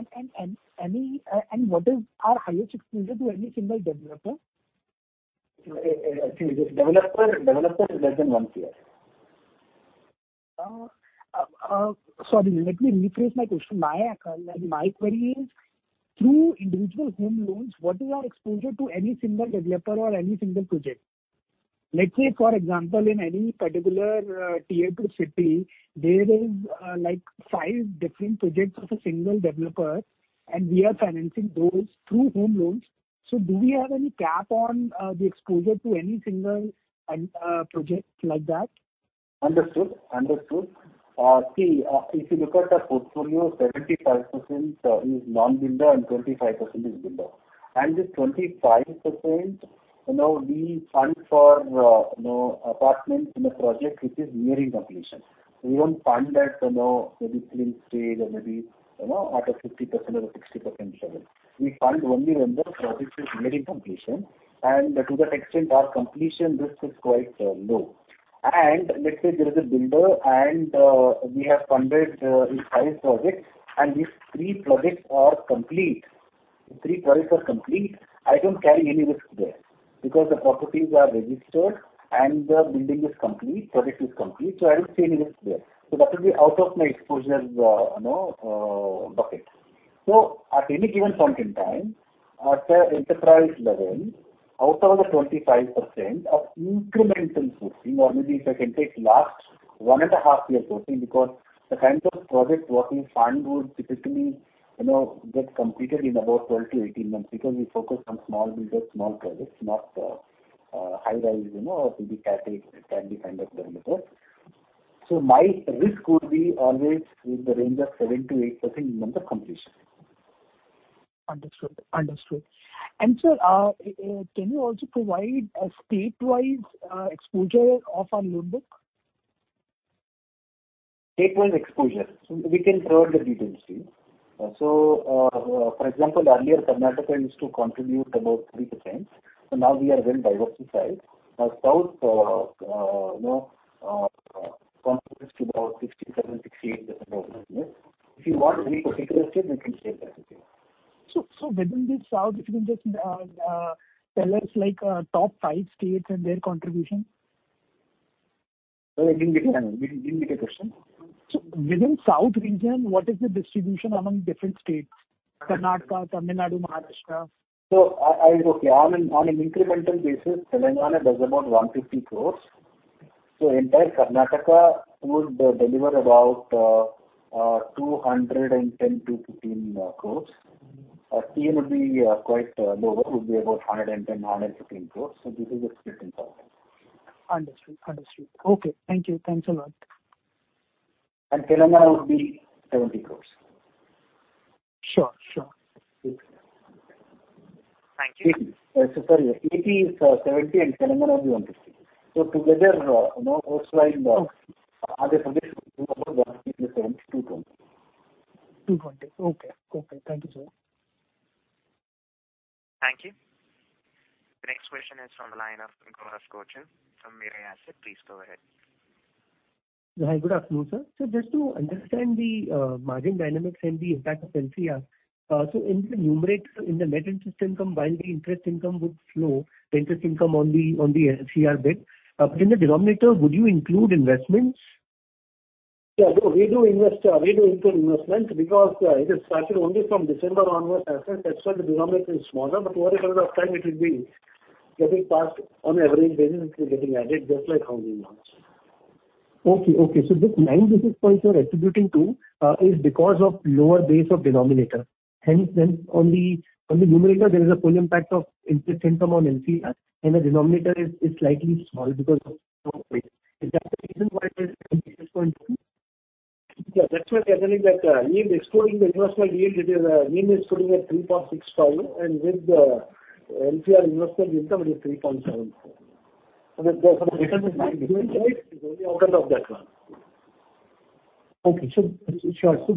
What is our highest exposure to any single developer? Actually the developer is less than 1 crore. Sorry. Let me rephrase my question. My query is through individual home loans, what is our exposure to any single developer or any single project? Let's say, for example, in any particular Tier 2 city, there is, like five different projects of a single developer and we are financing those through home loans. Do we have any cap on the exposure to any single project like that? Understood. If you look at the portfolio, 75% is non-builder and 25% is builder. This 25%, you know, we fund for, you know, apartments in a project which is nearing completion. We don't fund at, you know, maybe pre stage or maybe, you know, at a 50% or 60% level. We fund only when the project is nearing completion. To that extent, our completion risk is quite low. Let's say there is a builder and, we have funded, his 5 projects, and if 3 projects are complete, I don't carry any risk there because the properties are registered and the building is complete, project is complete, so I don't see any risk there. That will be out of my exposure, you know, bucket. At any given point in time, at the enterprise level, out of the 25% of incremental sourcing or maybe if I can take last 1.5 year sourcing, because the kinds of projects what we fund would typically, you know, get completed in about 12-18 months because we focus on small builders, small projects, not high rise, you know, or maybe captive kind of developers. My risk would be always in the range of 7%-8% in month of completion. Understood. Sir, can you also provide a state-wise exposure of our loan book? State-wise exposure. We can share the details with you. For example, earlier Karnataka used to contribute about 3%. Now we are well diversified. South, you know, contributes to about 67%-68% of our business. If you want any particular state, we can share that with you. Within this South region just tell us like top five states and their contribution. Sorry, didn't get you. I didn't get your question. Within South region, what is the distribution among different states? Karnataka, Tamil Nadu, Maharashtra. On an incremental basis, Telangana does about 150 crore. Entire Karnataka would deliver about 210 crore to 215 crore. TN would be quite lower, would be about 110 to 115 crore. This is the split in terms of that. Understood. Okay. Thank you. Thanks a lot. Telangana would be 70 crores. Sure. Sure. Okay. Thank you. Sorry. AP is INR 70 and Telangana will be INR 150. Together, roughly, other subjects would be about INR 150 + INR 70 = INR 220. INR 220. Okay. Thank you, sir. Thank you. The next question is from the line of Gaurav Kochar from Mirae Asset. Please go ahead. Hi. Good afternoon, sir. Just to understand the margin dynamics and the impact of NCR. In the numerator, in the net interest income, while the interest income would flow, the interest income on the NCR bit, but in the denominator, would you include investments? Yeah. We do invest, we do include investments because it has started only from December onwards. That's why the denominator is smaller, but over a period of time it will be getting passed on average basis, it will be getting added just like housing loans. Okay. This 9 basis points you are attributing to is because of lower base of denominator. Hence, then on the numerator there is a full impact of interest income on NCR and the denominator is slightly small because of low base. Is that the reason why it is 9 basis point only? Yeah. That's why we are telling that, yield excluding the investment yield, it is 3.65 and with the NCR investment income it is 3.75. The difference is 9 basis points only on account of that one.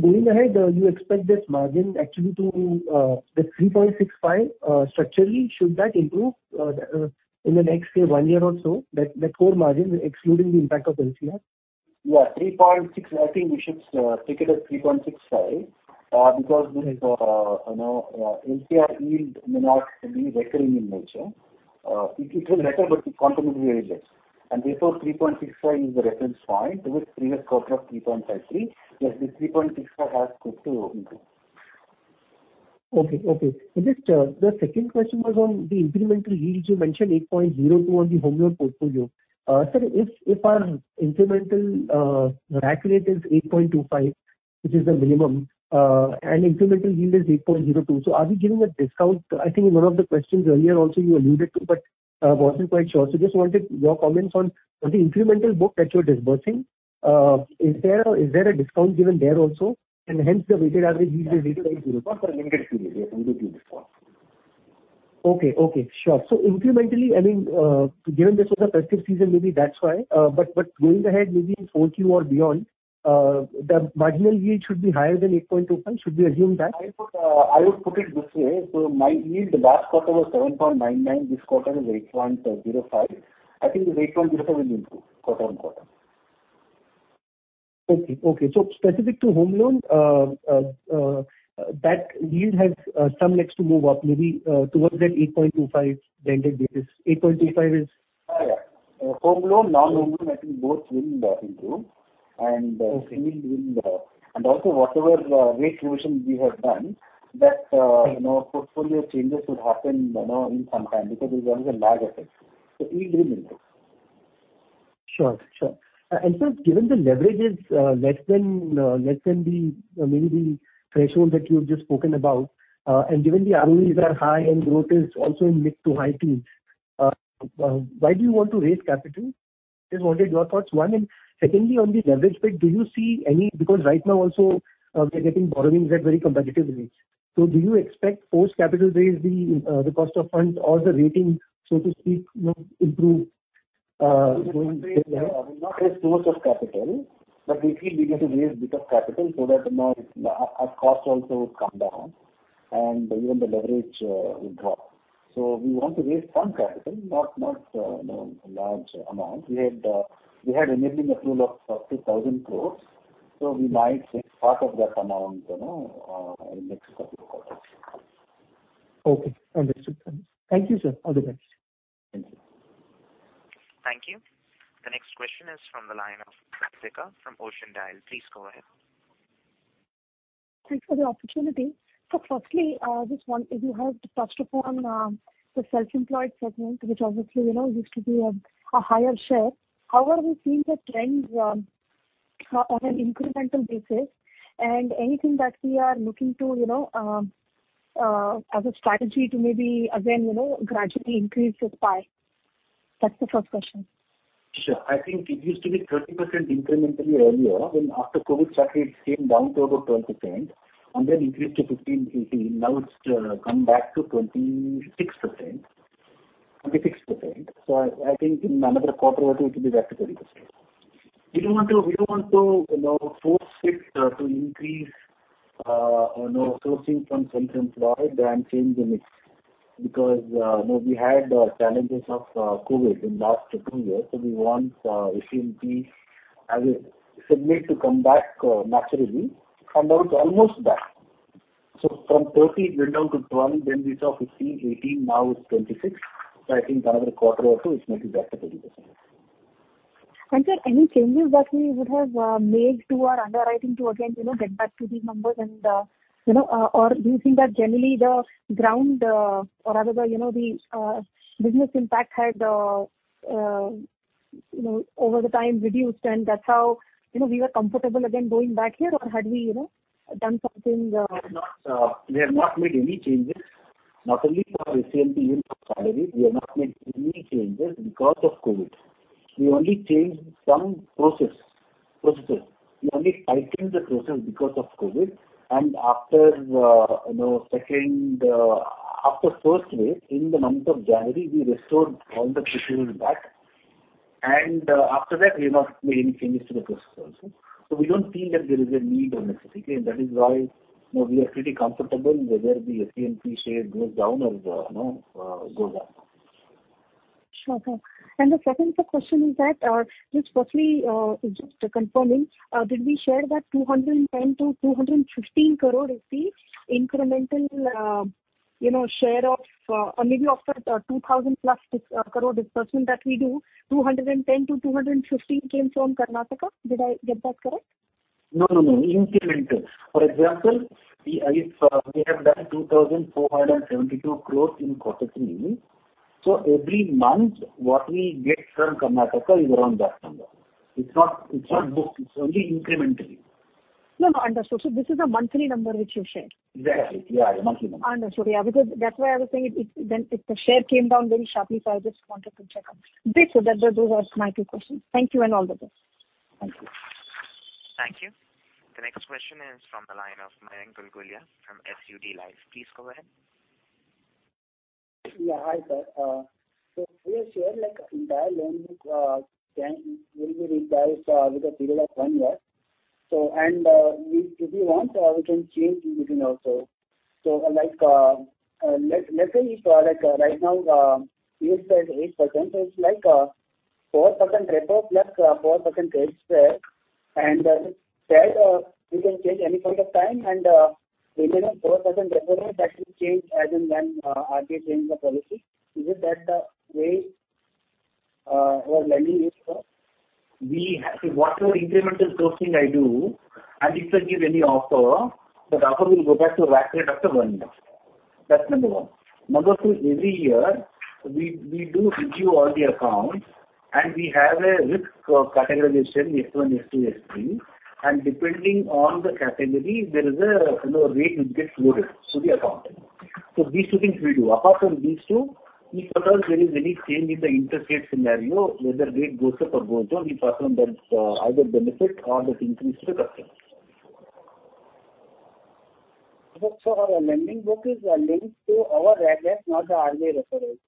Going ahead, you expect this margin actually to that 3.65% structurally? Should that improve in the next say one year or so, that core margin excluding the impact of NCR? Yeah, 3.6%. I think we should take it as 3.65%, because you know, NCR yield may not be recurring in nature. It will recur, but the quantum will be very less. Therefore 3.65% is the reference point with previous quarter of 3.53%, plus the 3.65% has scope to improve. Okay. Just the second question was on the incremental yields. You mentioned 8.02% on the home loan portfolio. Sir, if our incremental RAC rate is 8.25%, which is the minimum, and incremental yield is 8.02%. Are we giving a discount? I think in one of the questions earlier also you alluded to, but wasn't quite sure. Just wanted your comments on the incremental book that you're disbursing, is there a discount given there also, and hence the weighted average yield is 8.02%? For a limited period, yes, we do give discount. Okay. Okay. Sure. Incrementally, I mean, given this was a festive season, maybe that's why. But going ahead maybe in Q4 or beyond, the marginal yield should be higher than 8.25%. Should we assume that? I would put it this way. My yield last quarter was 7.99%. This quarter is 8.05%. I think the 8.05% will improve quarter-on-quarter. Okay. Specific to home loan, that yield has some legs to move up maybe, towards that 8.25% blended basis. Home loan, non-home loan, I think both will improve and gthe yield will. Also whatever rate reduction we have done that, you know, portfolio changes would happen, you know, in some time because there's always a lag effect. Yield will improve. Sure. Sir, given the leverage is less than, maybe, the threshold that you have just spoken about, and given the ROEs are high and ROT is also in mid- to high teens, why do you want to raise capital? Just wanted your thoughts, one. Secondly, on the leverage bit, do you see any? Because right now also, we are getting borrowings at very competitive rates. Do you expect post capital raise the cost of funds or the rating, so to speak, you know, improve going further? We will not raise source of capital, but we feel we have to raise bit of capital so that, you know, our cost also would come down and even the leverage would drop. We want to raise some capital, not, you know, large amount. We had a limit in the pool of up to 1,000 crore, so we might take part of that amount, you know, in next couple of quarters. Okay. Understood. Thank you, sir. All the best. Thank you. Thank you. The next question is from the line of Ritika from Ocean Dial. Please go ahead. Thanks for the opportunity. Firstly, just one, if you have touched upon the self-employed segment, which obviously you know used to be a higher share. How are we seeing the trends on an incremental basis and anything that we are looking to you know as a strategy to maybe again you know gradually increase this pie? That's the first question. Sure. I think it used to be 30% incrementally earlier. Then after COVID started, it came down to about 12% and then increased to 15, 18. Now it's come back to 26%. I think in another quarter or two it will be back to 30%. We don't want to, you know, force fit to increase, you know, sourcing from self-employed and change the mix because, you know, we had challenges of COVID in last two years. We want HNT as a segment to come back naturally. Now it's almost back. From 30 it went down to 12, then we saw 15, 18, now it's 26. I think another quarter or two it may be back to 30%. Sir, any changes that we would have made to our underwriting to again, you know, get back to these numbers and, you know, or do you think that generally the business impact had, you know, over the time reduced and that's how, you know, we were comfortable again going back here? Or had we, you know, done something, We have not made any changes, not only for HNT yield for salary. We have not made any changes because of COVID. We only changed some processes. We only tightened the process because of COVID and after first wave in the month of January, we restored all the procedures back. After that we have not made any changes to the process also. We don't feel that there is a need or necessity, and that is why we are pretty comfortable whether the CMP share goes down or goes up. Sure. The second question is that, just firstly, just confirming, did we share that 210 crore to 215 crore is the incremental, you know, share of, maybe of the 2,000+ crore disbursement that we do, 210 crore to 215 crore came from Karnataka. Did I get that correct? No, no. Incremental. For example, if we have done 2,472 crore in quarter 3, so every month what we get from Karnataka is around that number. It's not booked, it's only incrementally. No, no. Understood. This is a monthly number which you've shared. Exactly. Yeah. Monthly number. Understood. Yeah, because that's why I was saying it. If the share came down very sharply, I just wanted to check on. Great. That, those are my two questions. Thank you and all the best. Thank you. Thank you. The next question is from the line of Mayank Gulgulia from SUD Life. Please go ahead. Yeah, hi, sir. We have shared like entire loan book can be repriced with a period of one year. If we want, we can change it within also. Like, let's say if like right now, you said 8%, so it's like 4% repo +4% trade spread, and that we can change any point of time and within a 4% repo rate that will change as and when RBI change the policy. Is it that way lending is, sir? Whatever incremental sourcing I do, and if I give any offer, that offer will go back to rack rate after 1 year. That's number one. Number two, every year we do review all the accounts, and we have a risk categorization S1, S2, S3. Depending on the category, there is a, you know, rate which gets loaded to the account. These two things we do. Apart from these two, if at all there is any change in the interest rate scenario, whether rate goes up or goes down, we pass on that either benefit or that increase to the customer. Our lending book is linked to our rack rates, not the RBI repo rate.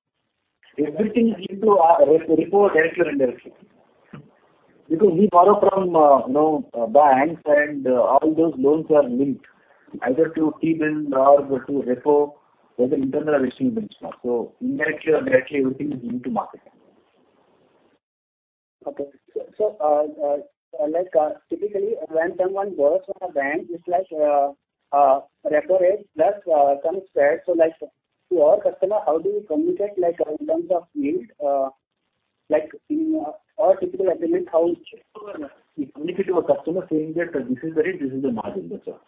Everything is linked to repo directly or indirectly. Because we borrow from, you know, banks and, all those loans are linked either to T-bill or to repo or the internal treasury benchmark. Indirectly or directly everything is linked to market. Okay. Like, typically when someone borrows from a bank, it's like, repo rate plus, some spread. Like to our customer, how do you communicate like in terms of yield, like in our typical agreement, how is it? We communicate to a customer saying that this is the rate, this is the margin, that's all.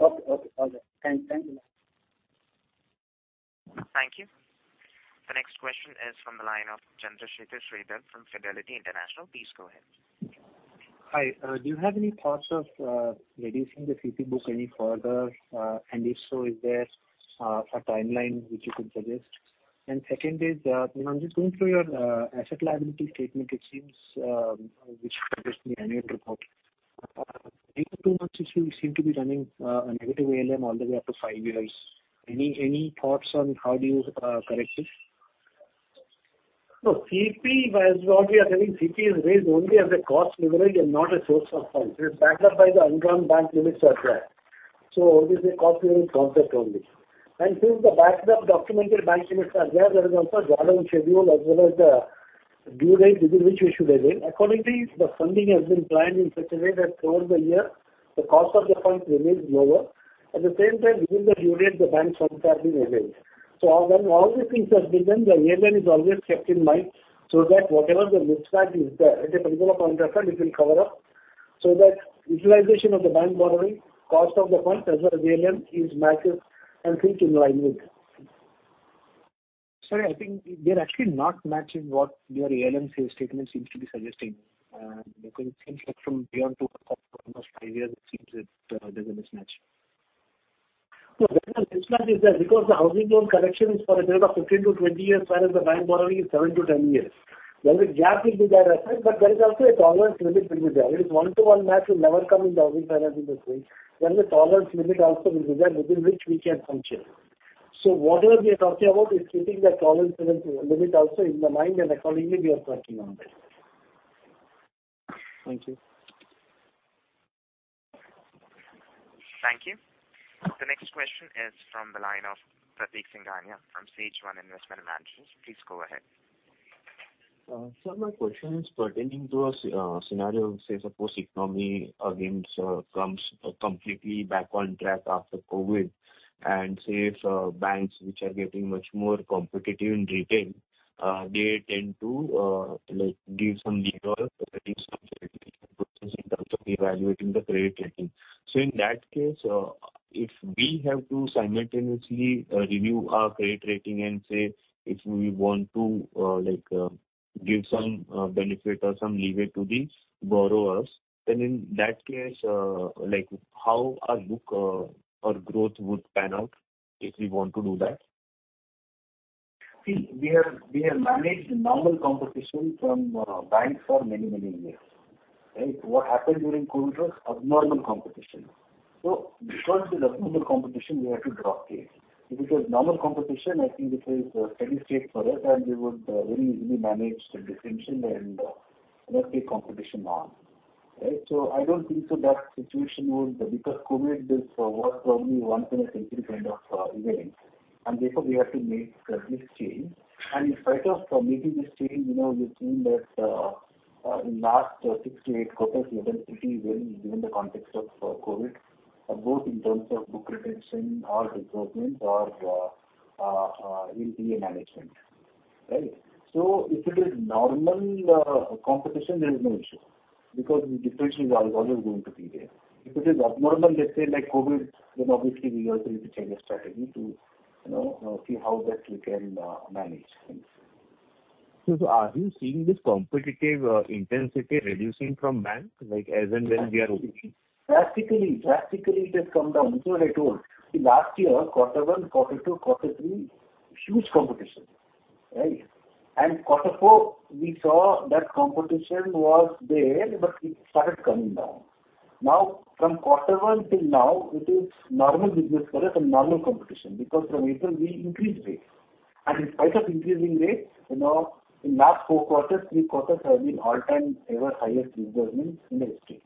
Okay. All good. Thank you. Thank you. The next question is from the line of Chandrashekar Sridhar from Fidelity International. Please go ahead. Hi. Do you have any thoughts of reducing the CP book any further? If so, is there a timeline which you could suggest? Second is, you know, I'm just going through your asset liability statement, it seems, which you published in the annual report. In the two-month issue, you seem to be running a negative ALM all the way up to five years. Any thoughts on how do you correct this? No. CP, as what we are telling, CP is raised only as a cost leverage and not a source of fund. It is backed up by the undrawn bank limits as well. This is a cost leverage concept only. Since the backed up documented bank limits are there is also a drawdown schedule as well as the due date within which we should avail. Accordingly, the funding has been planned in such a way that over the year the cost of the fund remains lower. At the same time, within the due date, the bank funds are being availed. When all these things are given, the ALM is always kept in mind so that whatever the risk factor is there at a particular point of time it will cover up, so that utilization of the bank borrowing, cost of the fund as well as ALM is matched and kept in line with. Sorry. I think they're actually not matching what your ALM statement seems to be suggesting. Because it seems like from beyond 2 almost 5 years, there's a mismatch. No. There's no mismatch, is there, because the housing loan collection is for a period of 15-20 years whereas the bank borrowing is 7-10 years. There is a gap which is there, I think, but there is also a tolerance limit will be there. It is one-to-one match will never come in the housing finance business. There is a tolerance limit also will be there within which we can function. Whatever we are talking about is keeping that tolerance limit also in the mind and accordingly we are working on this. Thank you. Thank you. The next question is from the line of Pratik Singhania from SageOne Investment Managers. Please go ahead. Sir, my question is pertaining to a scenario, say suppose economy again, sir, comes completely back on track after COVID. Say if banks which are getting much more competitive in retail, they tend to like give some leeway or reduce some credit risk process in terms of evaluating the credit rating. In that case, if we have to simultaneously review our credit rating and say if we want to like give some benefit or some leeway to the borrowers, then in that case, like how our book or growth would pan out if we want to do that? See, we have managed normal competition from banks for many years. Right. What happened during COVID was abnormal competition. Because it is abnormal competition, we had to drop rates. If it was normal competition, I think this is a steady state for us and we would really manage the differentiation and let the competition on. Right? Because COVID was probably once in a century kind of event, and therefore we have to make this change. In spite of making this change, you know, we've seen that in last 6-8 quarters, we have done pretty well even in the context of COVID, both in terms of book retention or disbursements or NPA management. Right? If it is normal competition, there is no issue because the differentiation is always going to be there. If it is abnormal, let's say like COVID, then obviously we also need to change the strategy to, you know, see how best we can, manage things. Are you seeing this competitive intensity reducing from banks like as and when we are opening? Drastically it has come down. That's why I told. Last year, quarter 1, quarter 2, quarter 3, huge competition. Right? Quarter 4 we saw that competition was there, but it started coming down. Now, from quarter 1e till now it is normal business for us and normal competition because from April we increased rates. In spite of increasing rates, you know, in last four quarters, three quarters have been all-time ever highest disbursements in the history.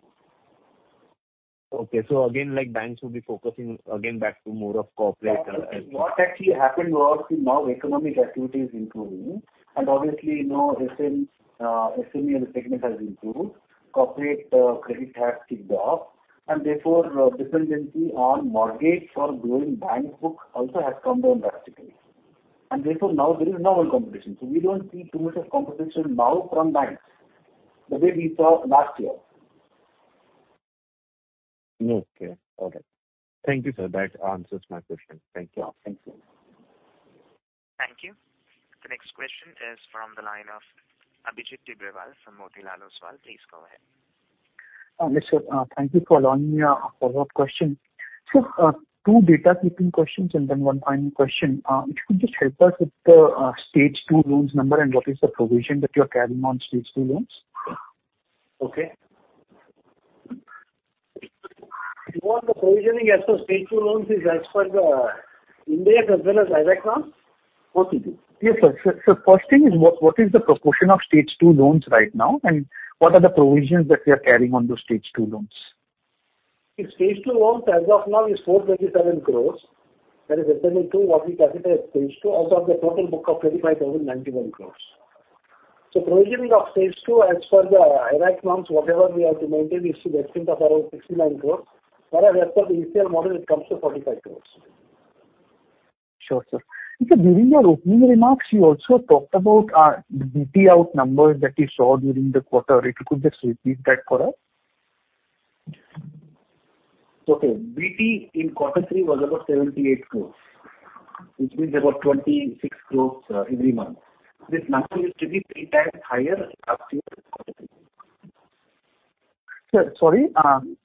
Again, like banks will be focusing back to more of corporate, and What actually happened was now economic activity is improving and obviously, you know, SME in the segment has improved. Corporate credit has kicked off, and therefore, dependency on mortgage for growing bank book also has come down drastically. Now there is normal competition. We don't see too much of competition now from banks the way we saw last year. Okay. All right. Thank you, sir. That answers my question. Thank you. Yeah. Thank you. Thank you. The next question is from the line of Abhijit Tibrewal from Motilal Oswal. Please go ahead. Yes, sir. Thank you for allowing me a follow-up question. Two housekeeping questions and then one final question. If you could just help us with the stage two loans number and what is the provision that you are carrying on stage two loans? Okay. You want the provisioning as of stage two loans is as per the Ind AS as well as IRAC norms? Both you do. Yes, sir. First thing is what is the proportion of stage two loans right now and what are the provisions that you are carrying on those stage two loans? Stage two loans as of now is 437 crores. That is as per the two what we classify as stage two out of the total book of 25,091 crores. Provisioning of stage two as per the IRAC norms, whatever we have to maintain is to the extent of around 69 crores, whereas as per the Ind AS model it comes to 45 crores. Sure, sir. During your opening remarks, you also talked about the BT out numbers that you saw during the quarter. If you could just repeat that for us. BT in quarter 3 was about 78 crores, which means about 26 crores every month. This number used to be 3x higher last year quarter 3. Sir, sorry.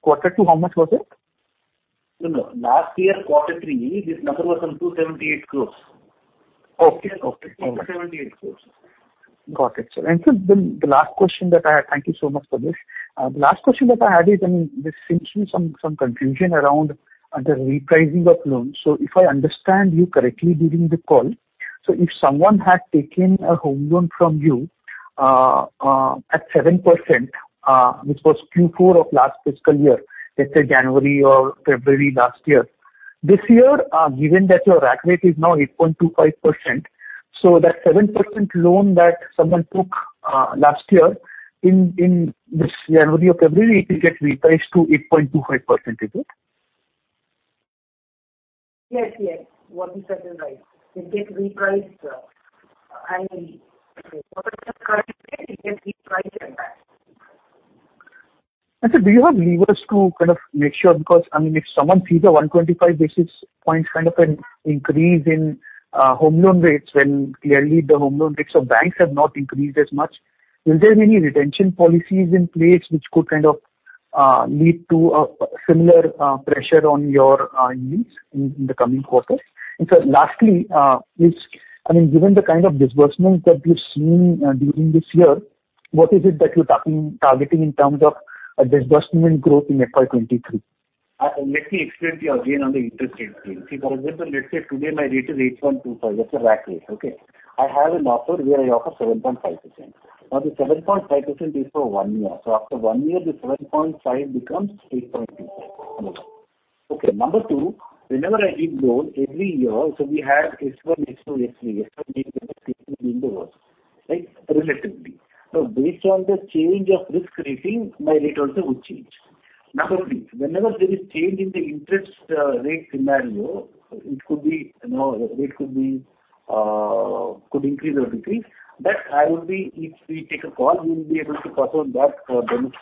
Quarter 2, how much was it? No, no. Last year, quarter 3, this number was some 278 crore. Okay. Okay. This year it's 78 crore. Got it, sir. The last question that I have. Thank you so much for this. The last question that I had is, I mean, there seems to be some confusion around the repricing of loans. If I understand you correctly during the call, if someone had taken a home loan from you, at 7%, which was Q4 of last fiscal year, let's say January or February last year. This year, given that your rack rate is now 8.25%, that 7% loan that someone took, last year in January or February, it will get repriced to 8.25%. Is it? Yes, yes. What you said is right. It gets repriced. I mean, whatever is the current rate it gets repriced at that. Sir, do you have levers to kind of make sure because, I mean, if someone sees a 125 basis points kind of an increase in home loan rates when clearly the home loan rates of banks have not increased as much, will there be any retention policies in place which could kind of lead to a similar pressure on your earnings in the coming quarters? Sir, lastly, I mean, given the kind of disbursement that you've seen during this year, what is it that you're targeting in terms of a disbursement growth in FY 2023? Let me explain to you again on the interest rate thing. See, for example, let's say today my rate is 8.25%. That's a rack rate, okay? I have an offer where I offer 7.5%. Now, the 7.5% is for one year. After one year the 7.5% becomes 8.25%. Number two, whenever I give loan every year, so we have S1, S2, S3. S1 being the best, S3 being the worst, right? Relatively. Based on the change of risk rating, my rate also would change. Number three, whenever there is change in the interest rate scenario, it could be, you know, rate could be, could increase or decrease, that I will be. If we take a call, we will be able to pass on that, benefit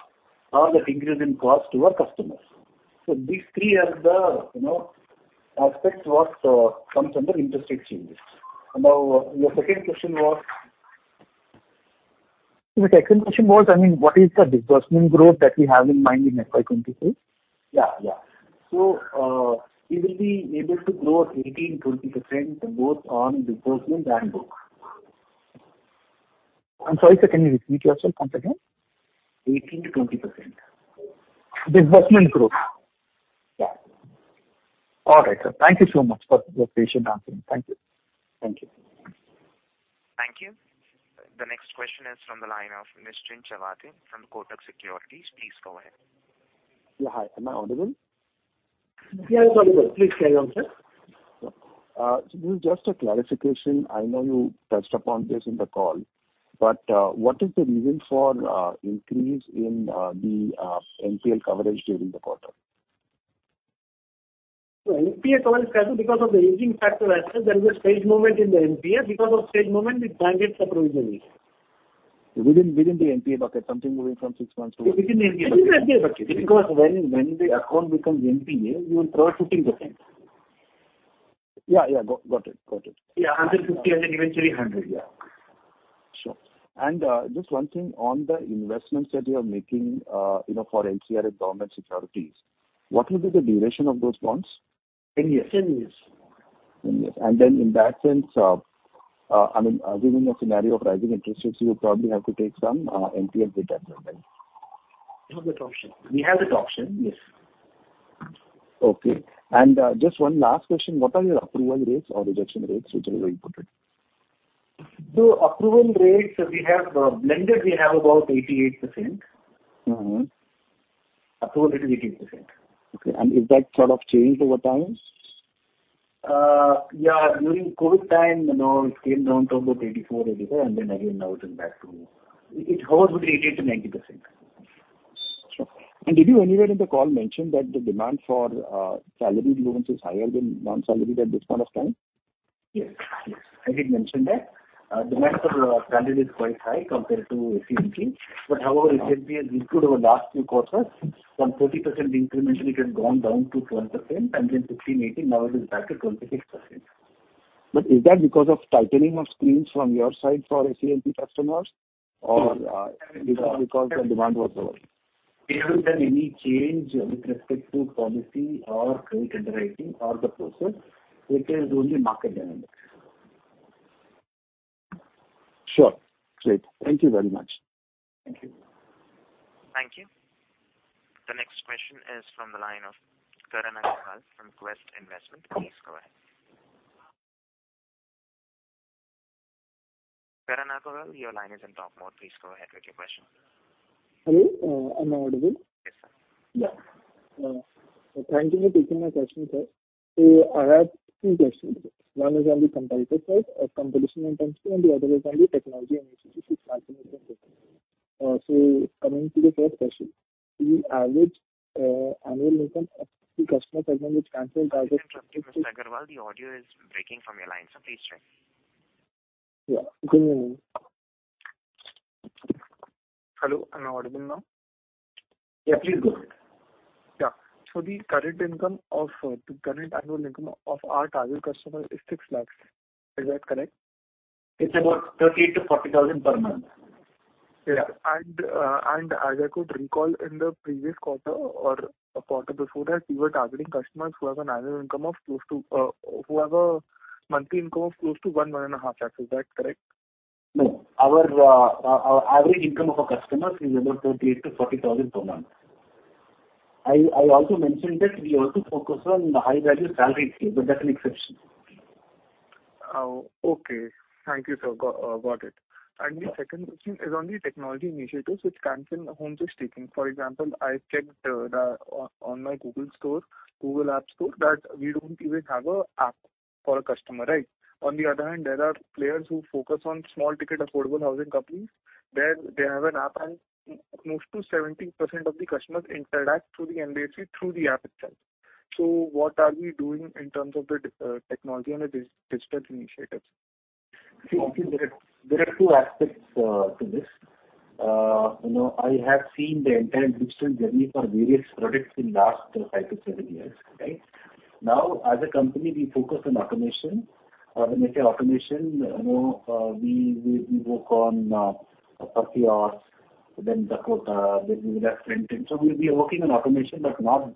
or that increase in cost to our customers. These three are the, you know, aspects what comes under interest rate changes. Now, your second question was? The second question was, I mean, what is the disbursement growth that we have in mind in FY 2023? Yeah, yeah. We will be able to grow 18%-20% both on disbursement and book. I'm sorry, sir. Can you repeat yourself once again? 18%-20%. Disbursement growth? Yeah. All right, sir. Thank you so much for your patient answering. Thank you. Thank you. Thank you. The next question is from the line of Nishant Chawla from Kotak Securities. Please go ahead. Yeah. Hi. Am I audible? Yeah. Sorry, sir. Please carry on, sir. Sure. This is just a clarification. I know you touched upon this in the call, but, what is the reason for increase in the NPL coverage during the quarter? NPL coverage has been because of the aging factor as such. There is a stage movement in the NPA. Because of stage movement, the bank gets a provision. Within the NPA bucket, something moving from six months to one within NPA bucket. Because when the account becomes NPA, you will cover 15%. Yeah. Got it. Yeah. Sure. Just one thing on the investments that you are making, you know, for NCD and government securities, what will be the duration of those bonds? 10 years. Then in that sense, I mean, assuming a scenario of rising interest rates, you'll probably have to take some NPL hit as well, right? We have that option, yes. Okay. Just one last question. What are your approval rates or rejection rates, which are very important? Approval rates we have, blended we have about 88%. Approval rate is 80%. Okay. Is that sort of changed over time? Yeah. During COVID time, you know, it came down to about 84, 85, and then again now it hovers at 80-90%. Sure. Did you anywhere in the call mention that the demand for salaried loans is higher than non-salaried at this point of time? Yes. Yes. I did mention that. Demand for salaried is quite high compared to SALP. However, SALP has improved over last few quarters. From 40% increment it has gone down to 12% and then 16, 18. Now it is back to 26%. Is that because of tightening of screens from your side for SALP customers or, because the demand was lower? We haven't done any change with respect to policy or credit underwriting or the process. It is only market dynamics. Sure. Great. Thank you very much. Thank you. Thank you. The next question is from the line of Karan Agarwal from Tusk Investment. Please go ahead. Karan Agarwal, your line is in talk mode. Please go ahead with your question. Hello. Am I audible? Yes, sir. Thank you for taking my question, sir. I have two questions. One is on the competitor side, competition intensity, and the other is on the technology initiatives which Can Fin is undertaking. Coming to the first question, the average annual income of the customer segment which Can Fin targets- I think, Mr. Agrawal, the audio is breaking from your line, so please check. Yeah. Good morning. Hello, am I audible now? Yeah, please go ahead. The current annual income of our target customer is 6 lakh. Is that correct? It's about 38,000 to 40,000 per month. As I could recall in the previous quarter or a quarter before that, you were targeting customers who have an annual income of close to who have a monthly income of close to 1 to 1.5 lakh. Is that correct? No. Our average income of a customer is about 38,000 to 40,000 per month. I also mentioned that we also focus on high-value salaried, but that's an exception. Okay. Thank you, sir. Got it. The second question is on the technology initiatives which Can Fin Homes is taking. For example, I checked on my Google Play Store that we don't even have an app for a customer, right? On the other hand, there are players who focus on small-ticket affordable housing companies. There they have an app, and most to 70% of the customers interact through the NBFC through the app itself. What are we doing in terms of the technology and the digital initiatives? See, I think there are two aspects to this. You know, I have seen the entire digital journey for various products in last 5-7 years, right? Now, as a company, we focus on automation. When we say automation, you know, we work on Perfios, then Dedupe, then we will have FinnOne. We'll be working on automation, but not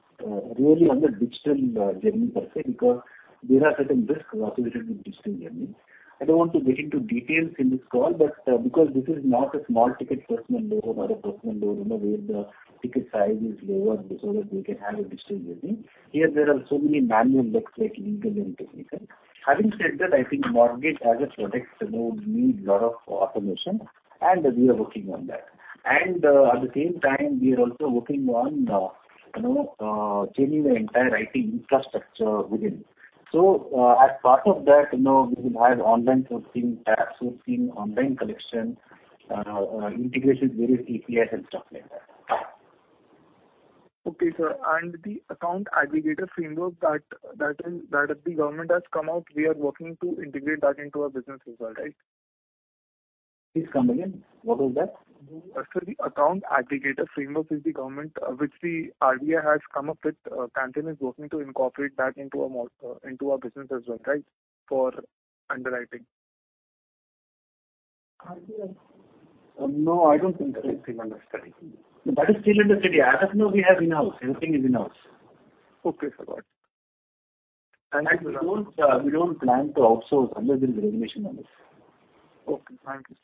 really on the digital journey per se because there are certain risks associated with digital journey. I don't want to get into details in this call, but because this is not a small ticket personal loan or a personal loan, you know, where the ticket size is lower so that we can have a digital journey. Here there are so many manual checks, like legal and technical. Having said that, I think mortgage as a product, you know, needs lot of automation, and we are working on that. At the same time we are also working on, you know, changing the entire IT infrastructure within. As part of that, you know, we will have online sourcing, tax sourcing, online collection, integrated with various APIs and stuff like that. Okay, sir. The account aggregator framework that the government has come out, we are working to integrate that into our business as well, right? Please come again. What was that? Sir, the account aggregator framework is the government, which the RBI has come up with. Can Fin is working to incorporate that into our business as well, right? For underwriting. No, I don't think that is under study. That is still under study. As of now we have in-house. Everything is in-house. Okay, sir. Got it. We don't plan to outsource unless there's a regulation on this. Okay. Thank you.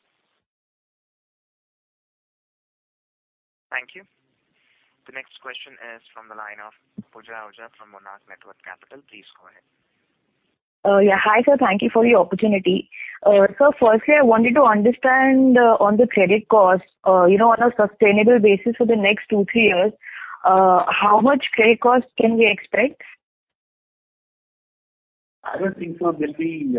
Thank you. The next question is from the line of Pooja Ahuja from Monarch Networth Capital. Please go ahead. Hi, sir. Thank you for the opportunity. Firstly, I wanted to understand, on the credit cost, you know, on a sustainable basis for the next 2-3 years, how much credit cost can we expect? I don't think so there'll be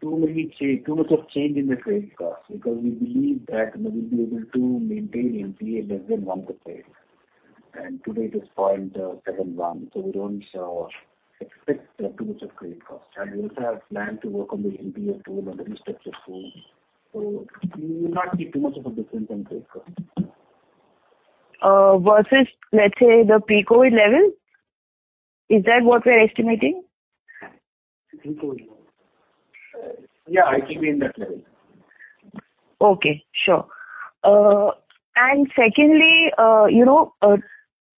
too much of change in the credit cost because we believe that, you know, we'll be able to maintain NPA less than 1%. Today it is 0.71%, so we don't expect too much of credit cost. We also have planned to work on the NPA pool and the restructured pool, so we will not see too much of a difference in credit cost. Versus let's say the pre-COVID level. Is that what we're estimating? Pre-COVID level. Yeah, I think we're in that level. Okay. Sure. Secondly, you know,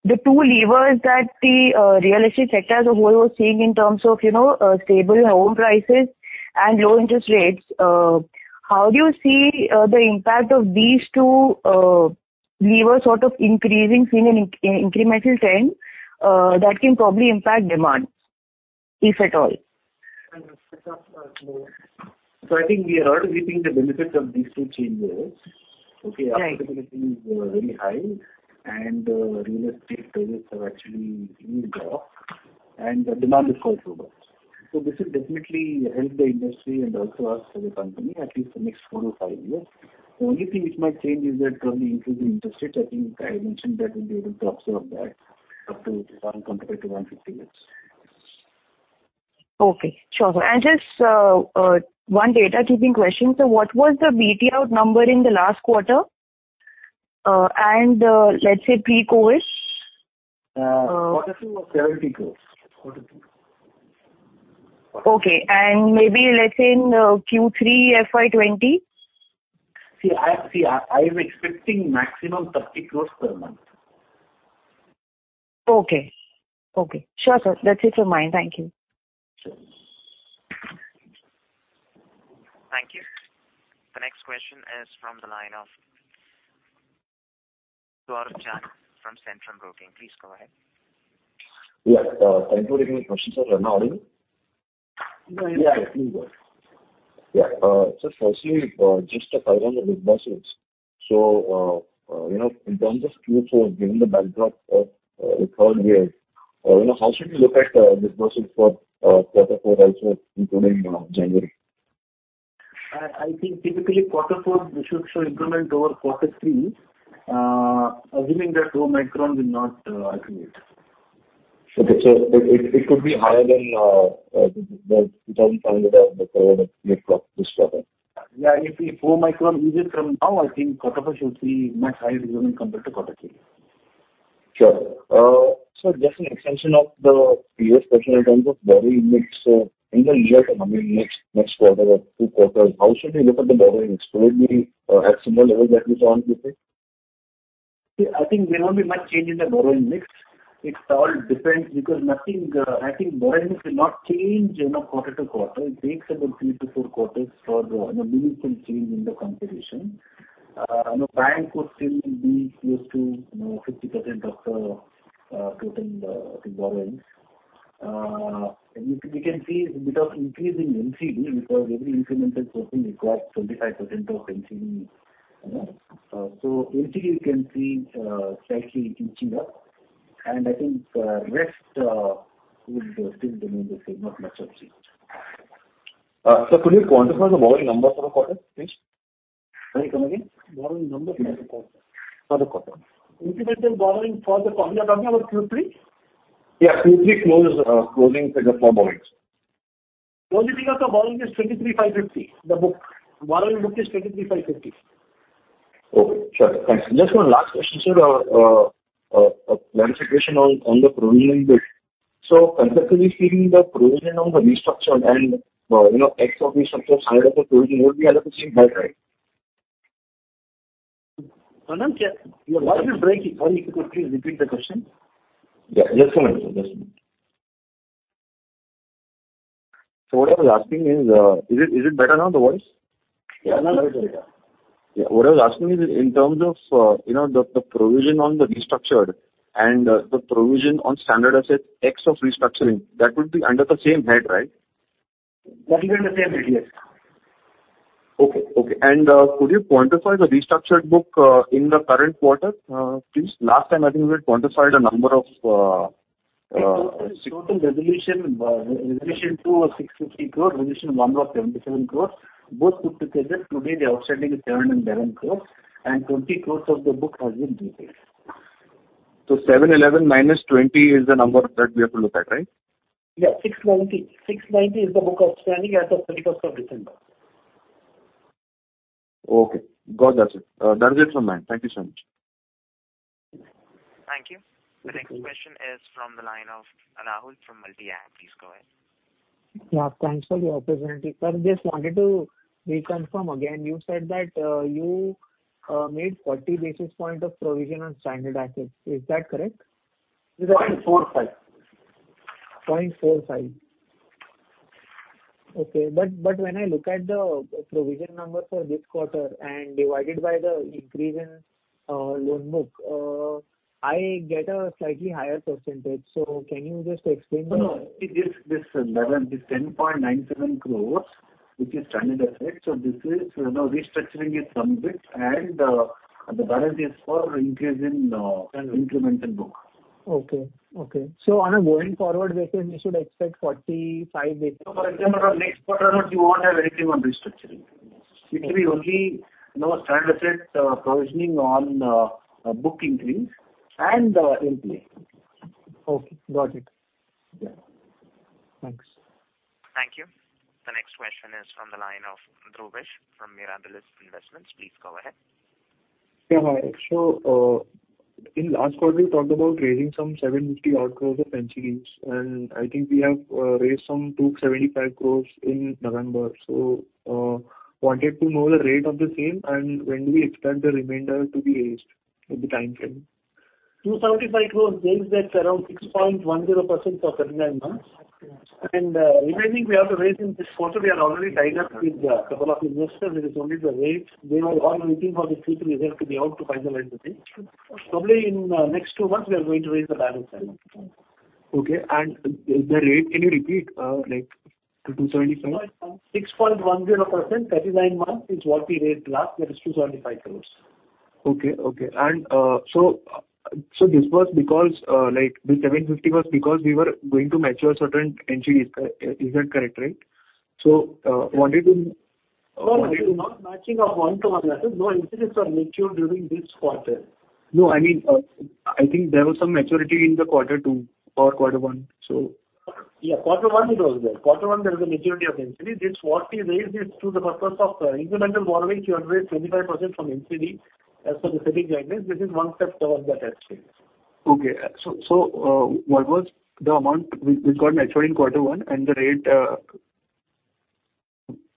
the two levers that the real estate sector as a whole was seeing in terms of, you know, stable home prices and low interest rates, how do you see the impact of these two levers sort of increasing seen in incremental term, that can probably impact demand, if at all? I think we are already reaping the benefits of these two changes. Okay? Right. Affordability is very high and real estate prices have actually eased off and the demand is also robust. This will definitely help the industry and also us as a company, at least the next 4-5 years. The only thing which might change is that probably increase in interest rates. I think I mentioned that we'll be able to absorb that up to 1, compared to 150 units. Okay. Sure. Just one housekeeping question. What was the BTO number in the last quarter? Let's say pre-COVID? Quarter 2 was INR 70 crore. Maybe let's say in Q3 FY 2020. I am expecting maximum 30 crores per month. Okay. Sure, sir. That's it from my end. Thank you. Sure. Thank you. The next question is from the line of Saurabh Mitra from Centrum Broking. Please go ahead. Yeah. Thank you for taking the question, sir. Am I audible? Yeah. First, just to follow on the disbursements. You know, in terms of Q4, given the backdrop of the third wave, you know, how should we look at disbursements for quarter 4 also including January? I think typically quarter 4 we should show improvement over quarter 3e, assuming that Omicron will not activate. It could be higher than the GBP 2000 that are recovered at mid-quarter this quarter? If the Omicron eases from now, I think quarter 4 should see much higher improvement compared to quarter 3. Sure. Just an extension of the previous question in terms of borrowing mix. In the year-to-come mix, next quarter or two quarters, how should we look at the borrowing mix? Will it be at similar levels that we saw in Q3? See, I think there won't be much change in the borrowing mix. It all depends because nothing, I think borrowing mix will not change, you know, quarter to quarter. It takes about 3-4 quarters for, you know, meaningful change in the composition. You know, bank would still be close to, you know, 50% of the total, I think borrowings. We can see a bit of increase in NCD because every incremental portion requires 25% of NCD, you know. So NCD you can see, slightly inching up, and I think, rest, will still remain the same. Not much of change. Sir, could you quantify the borrowing numbers for the quarter, please? Sorry, come again. Borrowing numbers for the quarter. For the quarter. Incremental borrowing for the quarter. You're talking about Q3? Yeah. Q3 closing figures for borrowings. Closing of the borrowing is 23,550. Borrowing book is 23,550. Okay. Sure. Thanks. Just one last question, sir. A clarification on the provisioning bit. Conceptually speaking, the provision on the restructured and except restructured standard provision would be under the same head, right? Madam, your voice is breaking. Sorry, could you please repeat the question? Yeah. Just a minute, sir. What I was asking is it better now, the voice? Yeah. Now it's better. Yeah. What I was asking is in terms of, you know, the provision on the restructured and the provision on standard asset ex of restructuring, that would be under the same head, right? That'll be under same head. Yes. Okay. Could you quantify the restructured book in the current quarter, please? Last time I think you had quantified a number of Total resolution, Resolution 2 are 650 crore. Resolution 1 was 77 crore. Both put together today the outstanding is 71 crore, and 20 crore of the book has been repaid. 711 - 20 is the number that we have to look at, right? 690 is the book outstanding as of 31st of December. Okay. Got that, sir. That is it from my end. Thank you so much. Thank you. The next question is from the line of Rahul from First Principle. Please go ahead. Yeah, thanks for the opportunity. Sir, just wanted to reconfirm again. You said that you made 40 basis point of provision on standard assets. Is that correct? 0.45%. 0.45%. Okay. When I look at the provision number for this quarter and divide it by the increase in loan book, I get a slightly higher percentage. Can you just explain that? No, no. This 10.97 crore, which is standard asset, so this is restructuring it from bit and the balance is for increase in incremental book. Okay. On a going forward basis, we should expect 45 basis points. For example, next quarter on, you won't have anything on restructuring. It will be only, you know, standard asset provisioning on a book increase and NPA. Okay. Got it. Thanks. Thank you. The next question is from the line of Dinesh from Mirabilis Investment Trust. Please go ahead. Yeah, hi. In last quarter, you talked about raising some 750 odd crores of NCDs, and I think we have raised some 275 crores in November. Wanted to know the rate of the same and when do we expect the remainder to be raised with the timeframe? 275 crores raised at around 6.10% for 39 months. Okay. The remaining we have to raise in this quarter, we are already tied up with couple of investors. It is only the rates. They are all waiting for the CP result to be out to finalize the thing. Probably in next two months we are going to raise the balance INR 275. Okay. The rate, can you repeat, like the 275? 6.10%, 309 lakh is what we raised last, that is 275 crore. Okay. This was because, like the 750 was because we were going to mature certain NCDs. Is that correct, right? No, it is not matching up 1:1 ratio. No NCDs are mature during this quarter. No. I mean, I think there was some maturity in the quarter 2 or quarter 1, so. Yeah. Quarter 1 it was there. Quarter 1 there was a maturity of NCD. This what we raised is to the purpose of, incremental borrowing. You can raise 25% from NCD as per the SEBI guidelines. This is one step towards that actually. What was the amount which got matured in quarter 1 and the rate?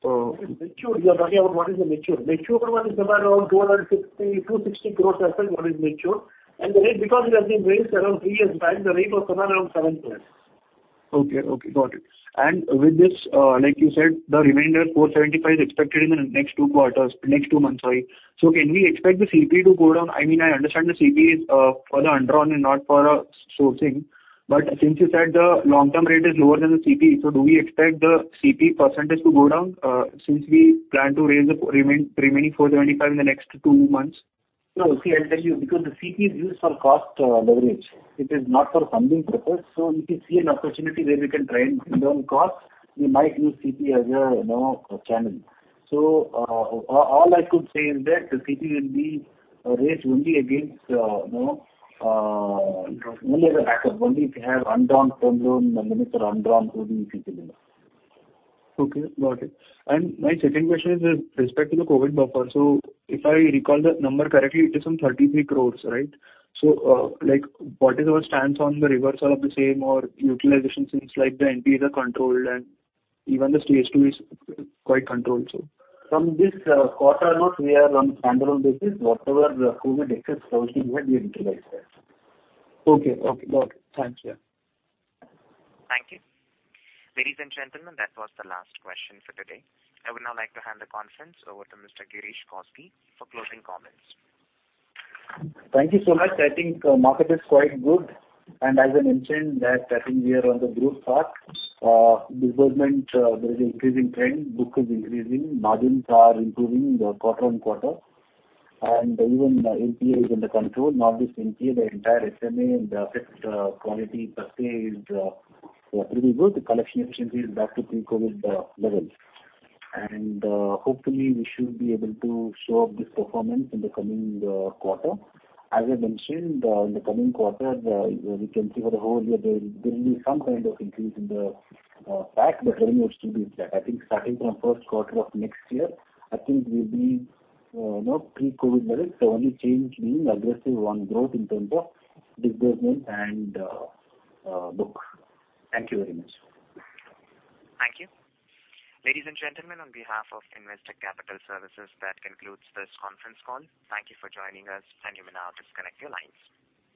You are talking about what is the matured. Matured one is somewhere around 260 crore roughly what is matured. The rate, because it has been raised around three years back, was somewhere around 7 point. Okay. Got it. With this, like you said, the remainder INR 475 is expected in the next two quarters, next two months, sorry. Can we expect the CP to go down? I mean, I understand the CP is for the undrawn and not for sourcing. Since you said the long-term rate is lower than the CP, do we expect the CP percentage to go down, since we plan to raise the remaining 425 in the next two months? No. See, I'll tell you, because the CP is used for cost leverage. It is not for funding purpose. If we see an opportunity where we can try and lower cost, we might use CP as a channel. All I could say is that the CP will be raised only against only if we have undrawn term loan limit or undrawn working capital limit. Okay. Got it. My second question is with respect to the COVID buffer. If I recall the number correctly, it is some 33 crore, right? Like what is our stance on the reversal of the same or utilization since like the NPAs are controlled and even the stage two is quite controlled. From this quarter on, we are on standalone basis. Whatever the COVID excess provisioning were, we utilized that. Okay. Got it. Thanks. Yeah. Thank you. Ladies and gentlemen, that was the last question for today. I would now like to hand the conference over to Mr. Girish Kousgi for closing comments. Thank you so much. I think market is quite good. As I mentioned that I think we are on the growth path. Disbursement, there is an increasing trend, book is increasing, margins are improving quarter-over-quarter. Even NPA is under control. Not just NPA, the entire SMA and the asset quality per se is pretty good. The collection efficiency is back to pre-COVID levels. Hopefully we should be able to show up this performance in the coming quarter. As I mentioned, in the coming quarter, we can see for the whole year there'll be some kind of increase in the PAC, but very much to be flat. I think starting from first quarter of next year, I think we'll be, you know, pre-COVID levels. The only change being aggressive on growth in terms of disbursement and book. Thank you very much. Thank you. Ladies and gentlemen, on behalf of Investec Capital Services, that concludes this conference call. Thank you for joining us, and you may now disconnect your lines.